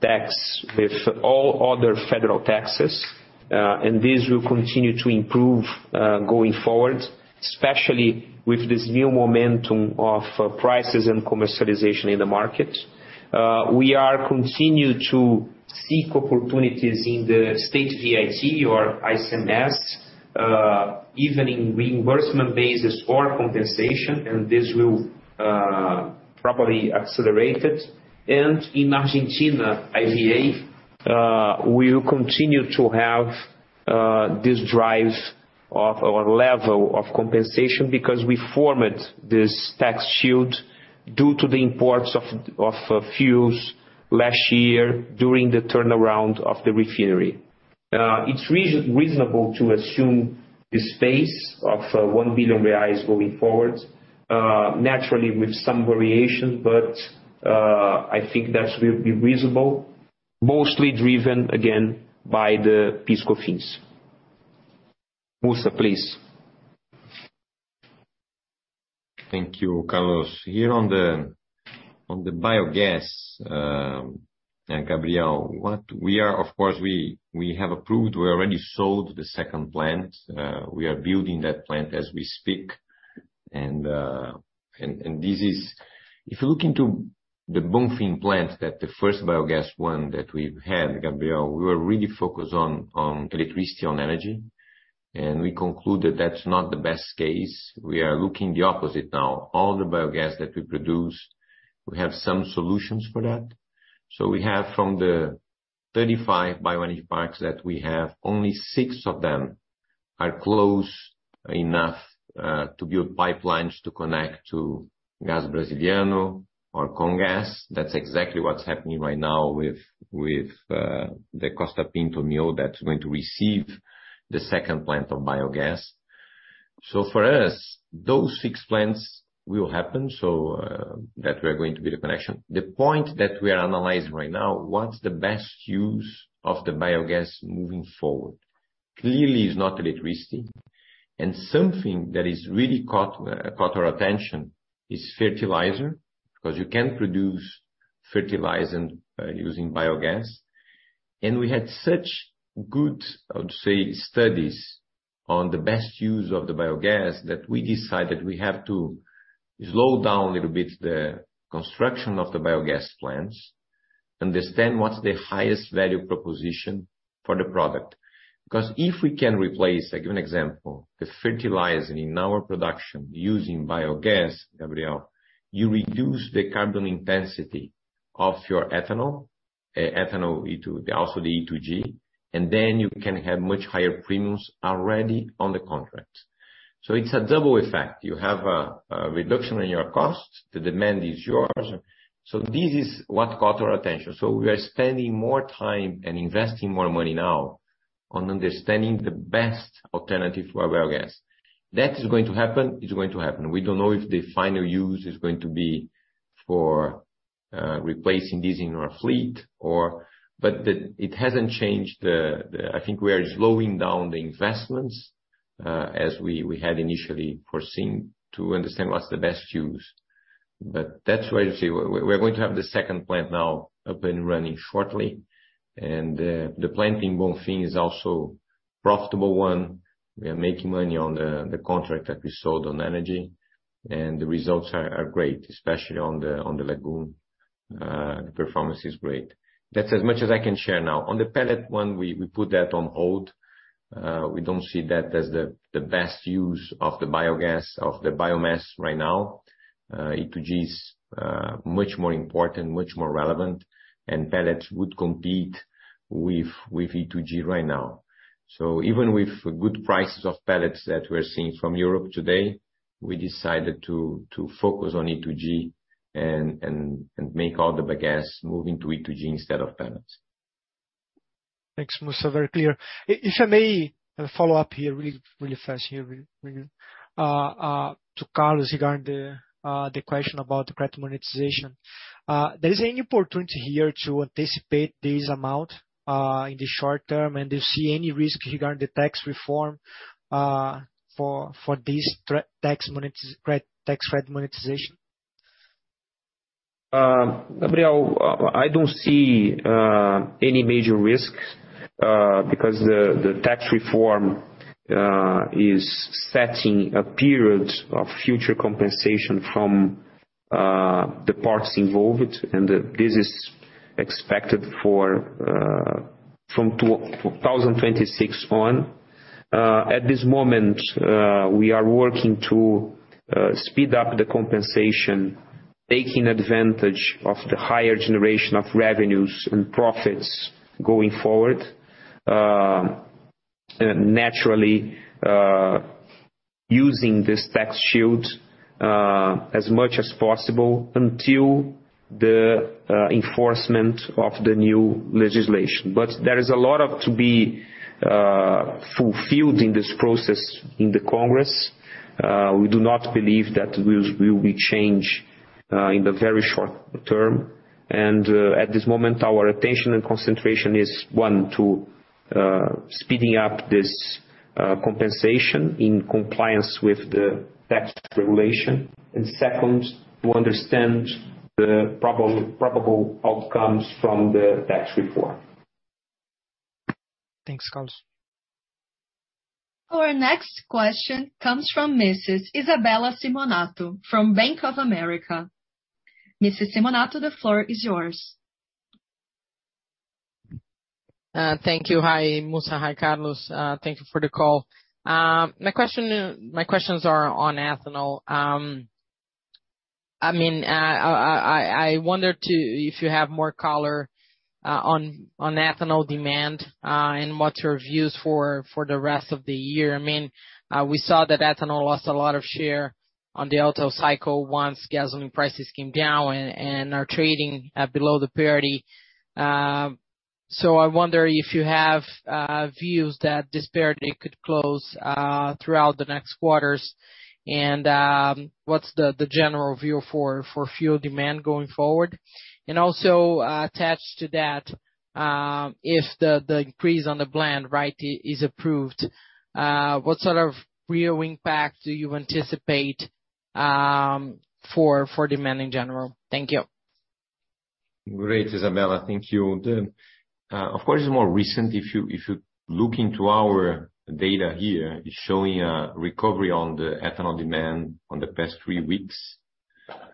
tax with all other federal taxes. This will continue to improve going forward, especially with this new momentum of prices and commercialization in the market. We are continued to seek opportunities in the state VAT or ICMS, even in reimbursement basis or compensation, and this will probably accelerate it. In Argentina, IVA, we will continue to have this drive of our level of compensation because we formed this tax shield due to the imports of fuels last year during the turnaround of the refinery. It's reasonable to assume the space of 1 billion reais going forward, naturally with some variation, but I think that will be reasonable, mostly driven, again, by the PIS/COFINS. Mussa, please. Thank you, Carlos. Here on the, on the biogas, Gabriel, what we are, of course, we, we have approved, we already sold the second plant. We are building that plant as we speak. If you look into the Bonfim plant, that the first biogas one that we had, Gabriel, we were really focused on, on electricity, on energy, and we concluded that's not the best case. We are looking the opposite now. All the biogas that we produce, we have some solutions for that. We have, from the 35 bioenergy parks that we have, only six of them are close enough to build pipelines to connect to Gas Brasiliano or Comgás. That's exactly what's happening right now with the Costa Pinto mill, that's going to receive the second plant of biogas. For us, those six plants will happen, that we are going to be the connection. The point that we are analyzing right now, what's the best use of the biogas moving forward? Clearly, it's not electricity. Something that is really caught, caught our attention is fertilizer, 'cause you can produce fertilizer using biogas. We had such good, I would say, studies on the best use of the biogas, that we decided we have to slow down a little bit the construction of the biogas plants, understand what's the highest value proposition for the product. Because if we can replace, I give an example, the fertilizer in our production using biogas, Gabriel, you reduce the carbon intensity of your ethanol, ethanol E2, also the E2G, and then you can have much higher premiums already on the contract. It's a double effect. You have a reduction in your costs, the demand is yours. This is what caught our attention. We are spending more time and investing more money now on understanding the best alternative for biogas. That is going to happen, it's going to happen. We don't know if the final use is going to be for replacing diesel in our fleet or... it hasn't changed. I think we are slowing down the investments as we had initially foreseen to understand what's the best use. That's why I say we're going to have the second plant now up and running shortly. The plant in Bonfim is also profitable one. We are making money on the contract that we sold on energy, and the results are great, especially on the lagoon. The performance is great. That's as much as I can share now. On the pellet one, we, we put that on hold. We don't see that as the, the best use of the biogas, of the biomass right now. E2G is much more important, much more relevant, and pellets would compete with, with E2G right now. Even with good prices of pellets that we're seeing from Europe today, we decided to, to focus on E2G and, and, and make all the bagasse move into E2G instead of pellets. Thanks, Mussa. Very clear. If I may, follow up here really, really fast here, to Carlos regarding the question about the credit monetization. There is any opportunity here to anticipate this amount in the short term, and do you see any risk regarding the tax reform, for this tax credit monetization? Gabriel, I don't see any major risks because the tax reform is setting a period of future compensation from the parties involved, and this is expected for from 2026 on. At this moment, we are working to speed up the compensation, taking advantage of the higher generation of revenues and profits going forward. Naturally, using this tax shield as much as possible until the enforcement of the new legislation. There is a lot to be fulfilled in this process in the Congress. We do not believe that will, will be changed in the very short term. At this moment, our attention and concentration is, one, to speeding up this compensation in compliance with the tax regulation. Second, to understand the probable outcomes from the tax reform. Thanks, Carlos. Our next question comes from Mrs. Isabella Simonato from Bank of America. Mrs. Simonato, the floor is yours. Thank you. Hi, Mussa. Hi, Carlos. Thank you for the call. My question, my questions are on ethanol. I mean, if you have more color on ethanol demand, and what's your views for the rest of the year. I mean, we saw that ethanol lost a lot of share on the auto cycle once gasoline prices came down and are trading below the parity. I wonder if you have views that this parity could close throughout the next quarters, and what's the general view for fuel demand going forward? Also, attached to that, if the increase on the blend right is approved, what sort of real impact do you anticipate for demand in general? Thank you. Great, Isabella, thank you. The, of course, it's more recent. If you, if you look into our data here, it's showing a recovery on the ethanol demand on the past three weeks.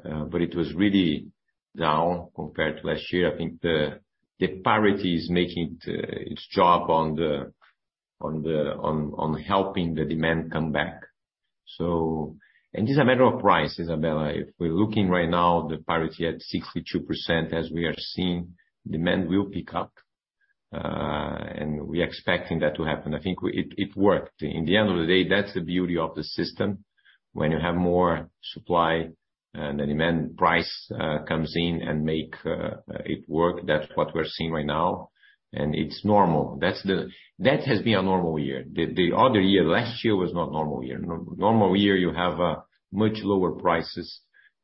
But it was really down compared to last year. I think the, the parity is making it, its job on the, on the, on, on helping the demand come back. It's a matter of price, Isabella. If we're looking right now, the parity at 62%, as we are seeing, demand will pick up, and we're expecting that to happen. I think it worked. In the end of the day, that's the beauty of the system. When you have more supply and the demand, price, comes in and make, it work. That's what we're seeing right now, and it's normal. That's the... That has been a normal year. The other year, last year was not normal year. Normal year, you have much lower prices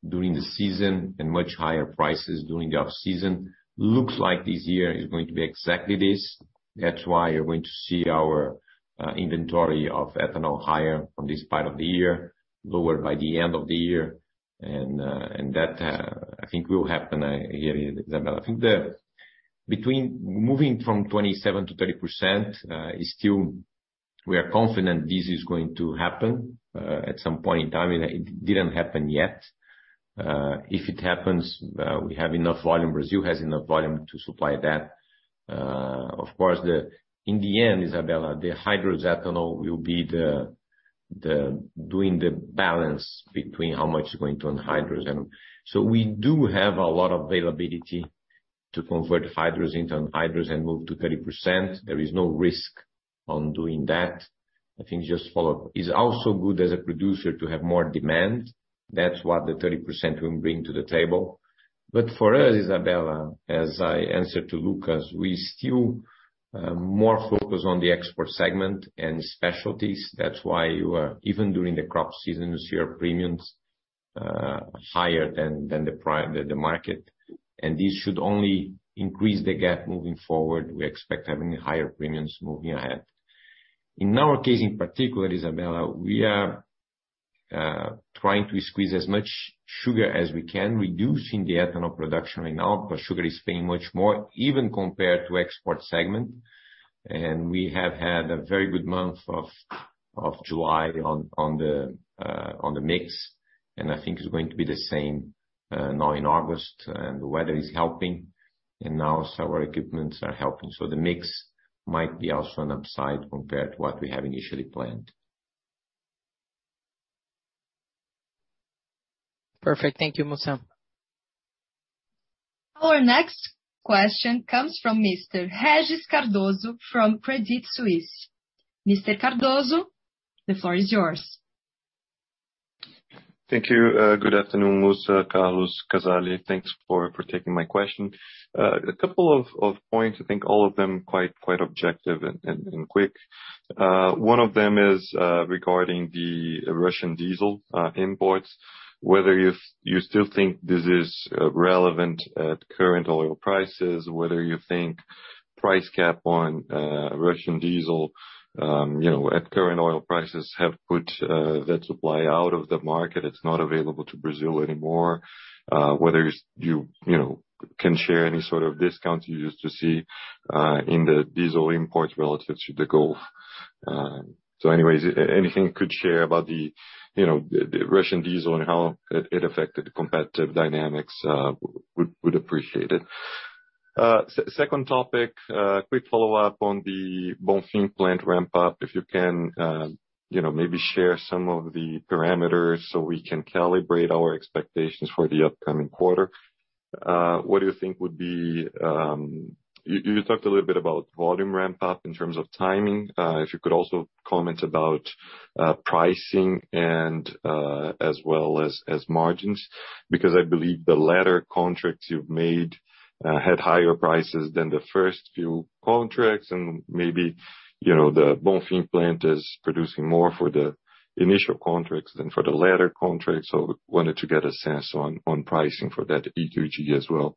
during the season and much higher prices during the off-season. Looks like this year is going to be exactly this. That's why you're going to see our inventory of ethanol higher from this part of the year, lower by the end of the year. That, I think will happen here, Isabella. I think the between moving from 27-30% is still. We are confident this is going to happen at some point in time, and it didn't happen yet. If it happens, we have enough volume, Brazil has enough volume to supply that. Of course, in the end, Isabella, the hydrous ethanol will be the, the doing the balance between how much is going to anhydrous. So we do have a lot of availability to convert hydrous into anhydrous and move to 30%. There is no risk on doing that. I think just follow up, it's also good as a producer to have more demand. That's what the 30% will bring to the table. For us, Isabella, as I answered to Lucas, we still more focused on the export segment and specialties. That's why you are, even during the crop seasons, your premiums higher than, than the market. This should only increase the gap moving forward. We expect having higher premiums moving ahead. In our case, in particular, Isabella, we are trying to squeeze as much sugar as we can, reducing the ethanol production right now, but sugar is paying much more, even compared to export segment. We have had a very good month of July on the mix, and I think it's going to be the same now in August. The weather is helping, and now our equipments are helping. The mix might be also an upside compared to what we had initially planned. Perfect. Thank you, Mussa. Our next question comes from Mr. Régis Cardoso from Credit Suisse. Mr. Cardoso, the floor is yours. Thank you. Good afternoon, Mussa, Carlos, Casali. Thanks for, for taking my question. A couple of points, I think all of them quite, quite objective and, and, and quick. One of them is regarding the Russian diesel imports. Whether you, you still think this is relevant at current oil prices, whether you think price cap on Russian diesel, you know, at current oil prices, have put that supply out of the market, it's not available to Brazil anymore. Whether you, you know, can share any sort of discounts you used to see in the diesel imports relative to the Gulf. Anyways, anything you could share about the, you know, the Russian diesel and how it, it affected the competitive dynamics, would, would appreciate it. Second topic, quick follow-up on the Bonfim plant ramp up. If you can, you know, maybe share some of the parameters so we can calibrate our expectations for the upcoming quarter. What do you think would be? You, you talked a little bit about volume ramp up in terms of timing. If you could also comment about pricing and as well as, as margins, because I believe the latter contracts you've made, had higher prices than the first few contracts. Maybe, you know, the Bonfim plant is producing more for the initial contracts than for the latter contracts. Wanted to get a sense on, on pricing for that uncertain as well.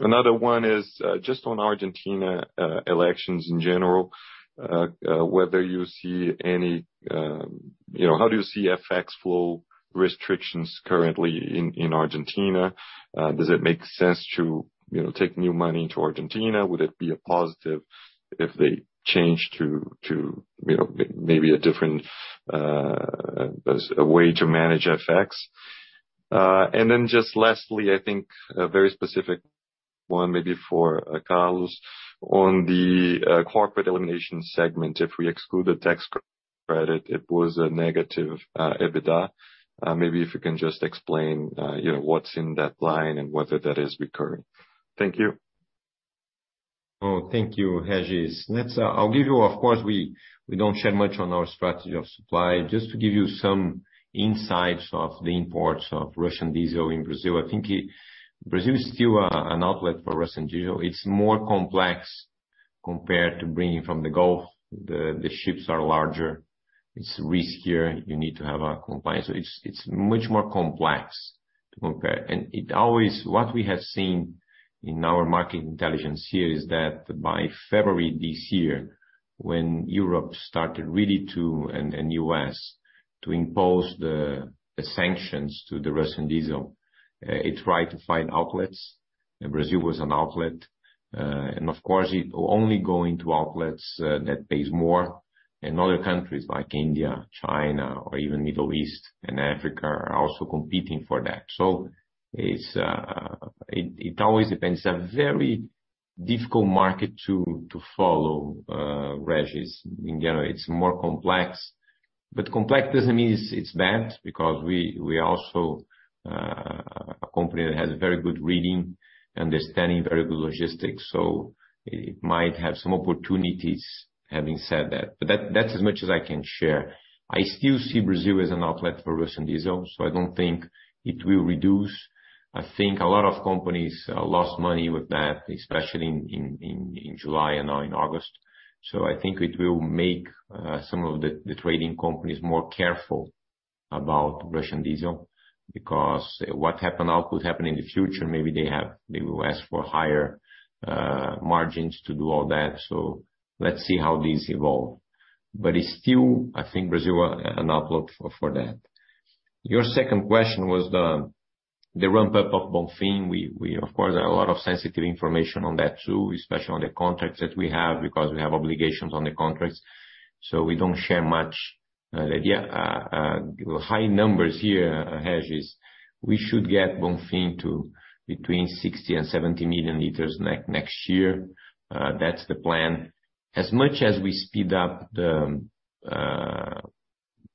Another one is just on Argentina, elections in general. Whether you see any, you know, how do you see FX flow restrictions currently in Argentina? Does it make sense to, you know, take new money into Argentina? Would it be a positive if they change to, you know, maybe a different way to manage FX? Then just lastly, I think a very specific one, maybe for Carlos. On the corporate elimination segment, if we exclude the tax credit, it was a negative EBITDA. Maybe if you can just explain, you know, what's in that line and whether that is recurring. Thank you. Oh, thank you, Régis. Let's, I'll give you of course we, we don't share much on our strategy of supply. Just to give you some insights of the imports of Russian diesel in Brazil, I think Brazil is still an outlet for Russian diesel. It's more complex compared to bringing from the Gulf, the, the ships are larger, it's riskier, you need to have a compliance. It's, it's much more complex to compare. It always what we have seen in our market intelligence here, is that by February this year, when Europe started really to, and, and US, to impose the, the sanctions to the Russian diesel, it tried to find outlets, and Brazil was an outlet. Of course, it will only go into outlets that pays more. Other countries like India, China, or even Middle East and Africa, are also competing for that. It always depends. It's a very difficult market to follow, Regis. In general, it's more complex, but complex doesn't mean it's bad, because we also, a company that has very good reading, understanding, very good logistics, so it might have some opportunities, having said that. That's as much as I can share. I still see Brazil as an outlet for Russian diesel, so I don't think it will reduce. I think a lot of companies lost money with that, especially in July and now in August. I think it will make some of the trading companies more careful about Russian diesel, because what happened now could happen in the future. Maybe they have- they will ask for higher margins to do all that. Let's see how this evolve. It's still, I think, Brazil, an outlook for, for that. Your second question was the ramp up of Bonfim. We, we- of course, there are a lot of sensitive information on that, too, especially on the contracts that we have, because we have obligations on the contracts, so we don't share much. High numbers here, Regis, we should get Bonfim to between 60 million-70 million liters ne- next year. That's the plan. As much as we speed up the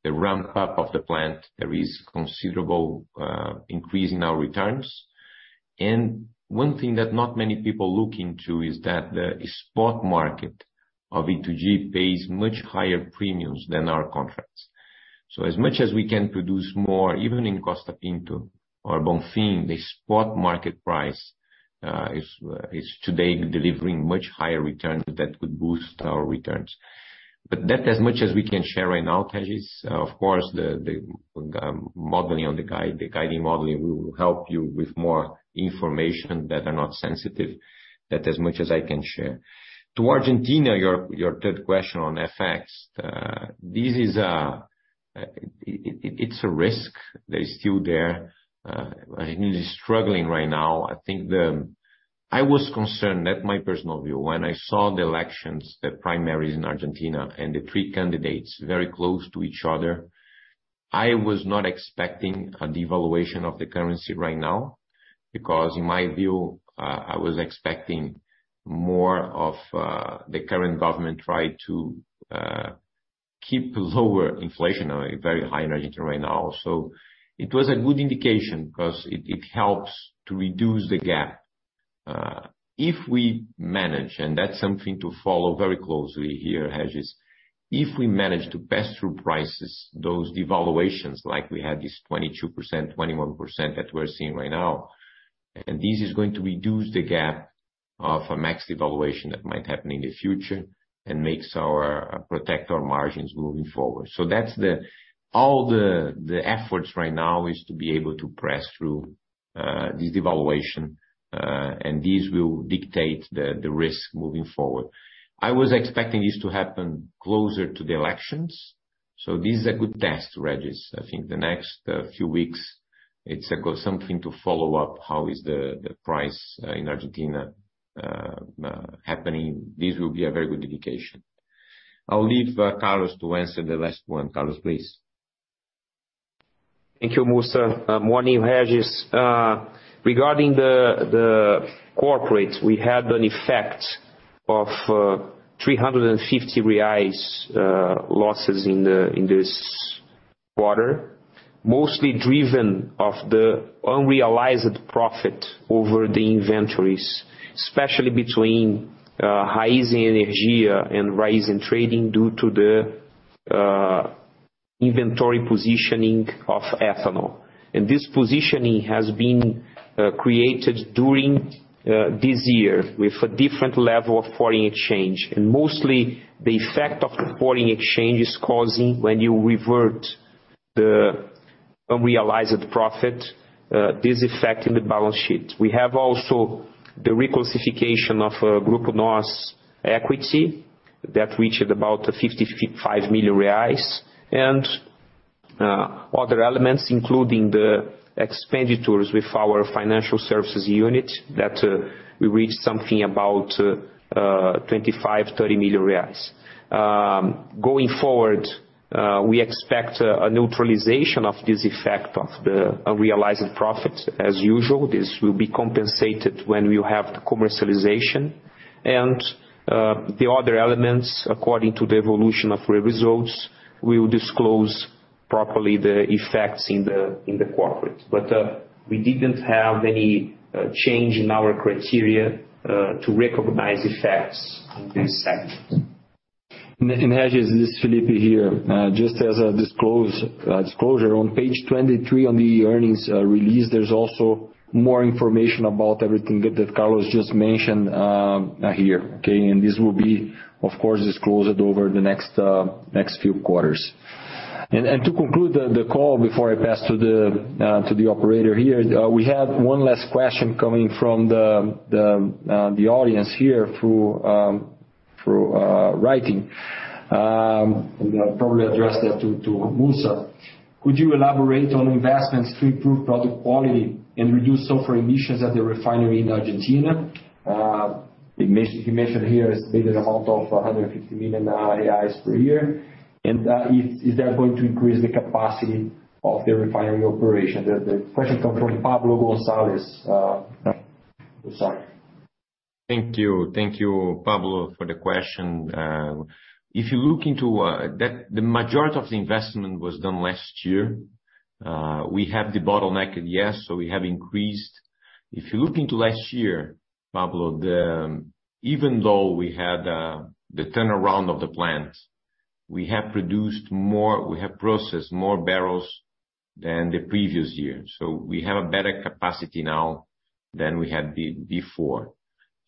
ramp up of the plant, there is considerable increase in our returns. One thing that not many people look into is that the spot market of E2G pays much higher premiums than our contracts. As much as we can produce more, even in Costa Pinto or Bonfim, the spot market price is today delivering much higher returns that could boost our returns. That's as much as we can share right now, Regis. Of course, the, the modeling on the guide, the guiding modeling, we will help you with more information that are not sensitive. That's as much as I can share. To Argentina, your, your third question on FX, this is it's a risk that is still there. Argentina is struggling right now. I think I was concerned, that's my personal view, when I saw the elections, the primaries in Argentina, and the three candidates very close to each other. I was not expecting a devaluation of the currency right now, because in my view, I was expecting more of the current government try to keep lower inflation, very high in Argentina right now. It was a good indication, because it, it helps to reduce the gap. If we manage, and that's something to follow very closely here, Regis, if we manage to pass through prices, those devaluations, like we had this 22%, 21%, that we're seeing right now, and this is going to reduce the gap of a max devaluation that might happen in the future and makes our- protect our margins moving forward. That's the- all the, the efforts right now, is to be able to press through, this devaluation, and this will dictate the, the risk moving forward. I was expecting this to happen closer to the elections, so this is a good test, Regis. I think the next few weeks, it's something to follow up, how is the price in Argentina happening. This will be a very good indication. I'll leave Carlos to answer the last one. Carlos, please. Thank you, Mussa. Morning, Regis. Regarding the corporate, we had an effect of R$ 350 losses in this quarter, mostly driven of the unrealized profit over the inventories, especially between Raízen Energia and Raízen Trading due to the inventory positioning of ethanol. This positioning has been created during this year with a different level of foreign exchange. Mostly, the effect of the foreign exchange is causing, when you revert the unrealized profit, this affecting the balance sheet. We have also the reclassification of Grupo Nós equity, that reached about R$ 55 million. Other elements, including the expenditures with our financial services unit, that we reached something about R$ 25 million-30 million. Going forward, we expect a neutralization of this effect of the unrealized profit. As usual, this will be compensated when we have the commercialization. The other elements, according to the evolution of our results, we will disclose properly the effects in the corporate. We didn't have any change in our criteria to recognize effects in this segment. As is Felipe here, just as a disclosure on page 23 on the earnings release, there's also more information about everything that Carlos just mentioned here, okay? This will be, of course, disclosed over the next few quarters. To conclude the call before I pass to the operator here, we have one last question coming from the audience here through writing. I'll probably address that to Mussa. Could you elaborate on investments to improve product quality and reduce sulfur emissions at the refinery in Argentina? He mentioned here estimated amount of R$ 150 million per year, is that going to increase the capacity of the refinery operation? The question come from Pablo Gonzalez. Sorry. Thank you. Thank you, Pablo, for the question. If you look into, the majority of the investment was done last year. We have the bottleneck, and yes, so we have increased. If you look into last year, Pablo, even though we had the turnaround of the plant, we have produced more, we have processed more barrels than the previous year. We have a better capacity now than we had before.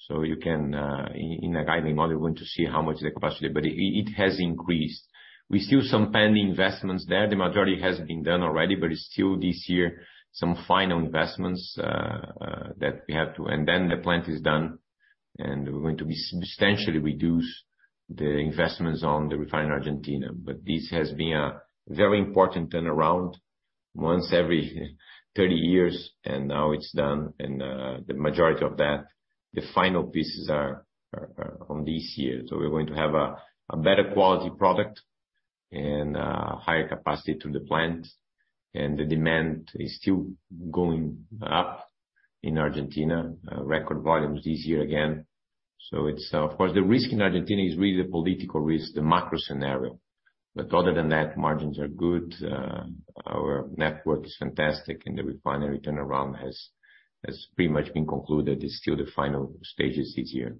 You can, in the guiding model, we're going to see how much the capacity, but it, it has increased. We still some pending investments there. The majority has been done already, but still this year, some final investments that we have to, and then the plant is done, and we're going to be substantially reduce the investments on the refinery in Argentina. This has been a very important turnaround once every 30 years, and now it's done, and the majority of that, the final pieces are on this year. We're going to have a better quality product and higher capacity to the plant, and the demand is still going up in Argentina. Record volumes this year again. It's of course, the risk in Argentina is really the political risk, the macro scenario. Other than that, margins are good, our network is fantastic, and the refinery turnaround has pretty much been concluded. It's still the final stages this year.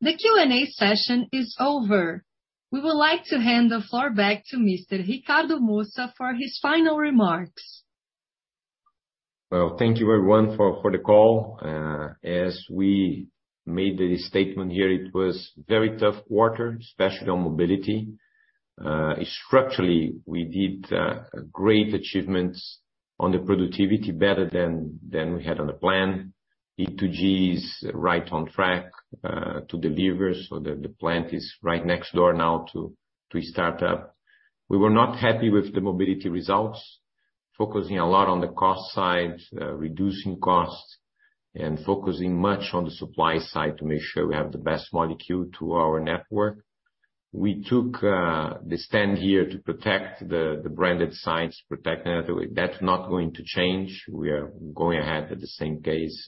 The Q&A session is over. We would like to hand the floor back to Mr. Ricardo Mussa for his final remarks. Well, thank you, everyone, for, for the call. As we made the statement here, it was very tough quarter, especially on mobility. Structurally, we did great achievements on the productivity, better than, than we had on the plan. E2G is right on track to deliver, so the plant is right next door now to start up. We were not happy with the mobility results, focusing a lot on the cost side, reducing costs, and focusing much on the supply side to make sure we have the best molecule to our network. We took the stand here to protect the branded science, protect it. That's not going to change. We are going ahead at the same pace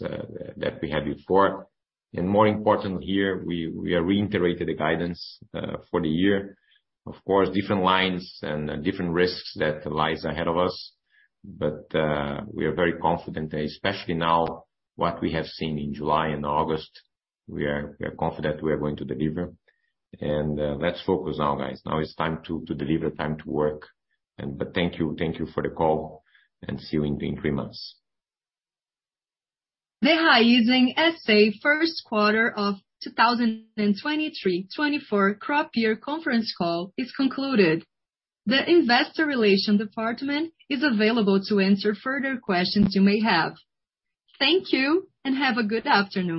that we had before. More important here, we are reiterating the guidance for the year. Of course, different lines and different risks that lies ahead of us, but we are very confident, especially now, what we have seen in July and August, we are confident we are going to deliver. Let's focus now, guys. Now it's time to deliver, time to work. But thank you, thank you for the call, and see you in three months. The Raízen SA Q1 of 2023, 2024 crop year conference call is concluded. The Investor Relations department is available to answer further questions you may have. Thank you, and have a good afternoon.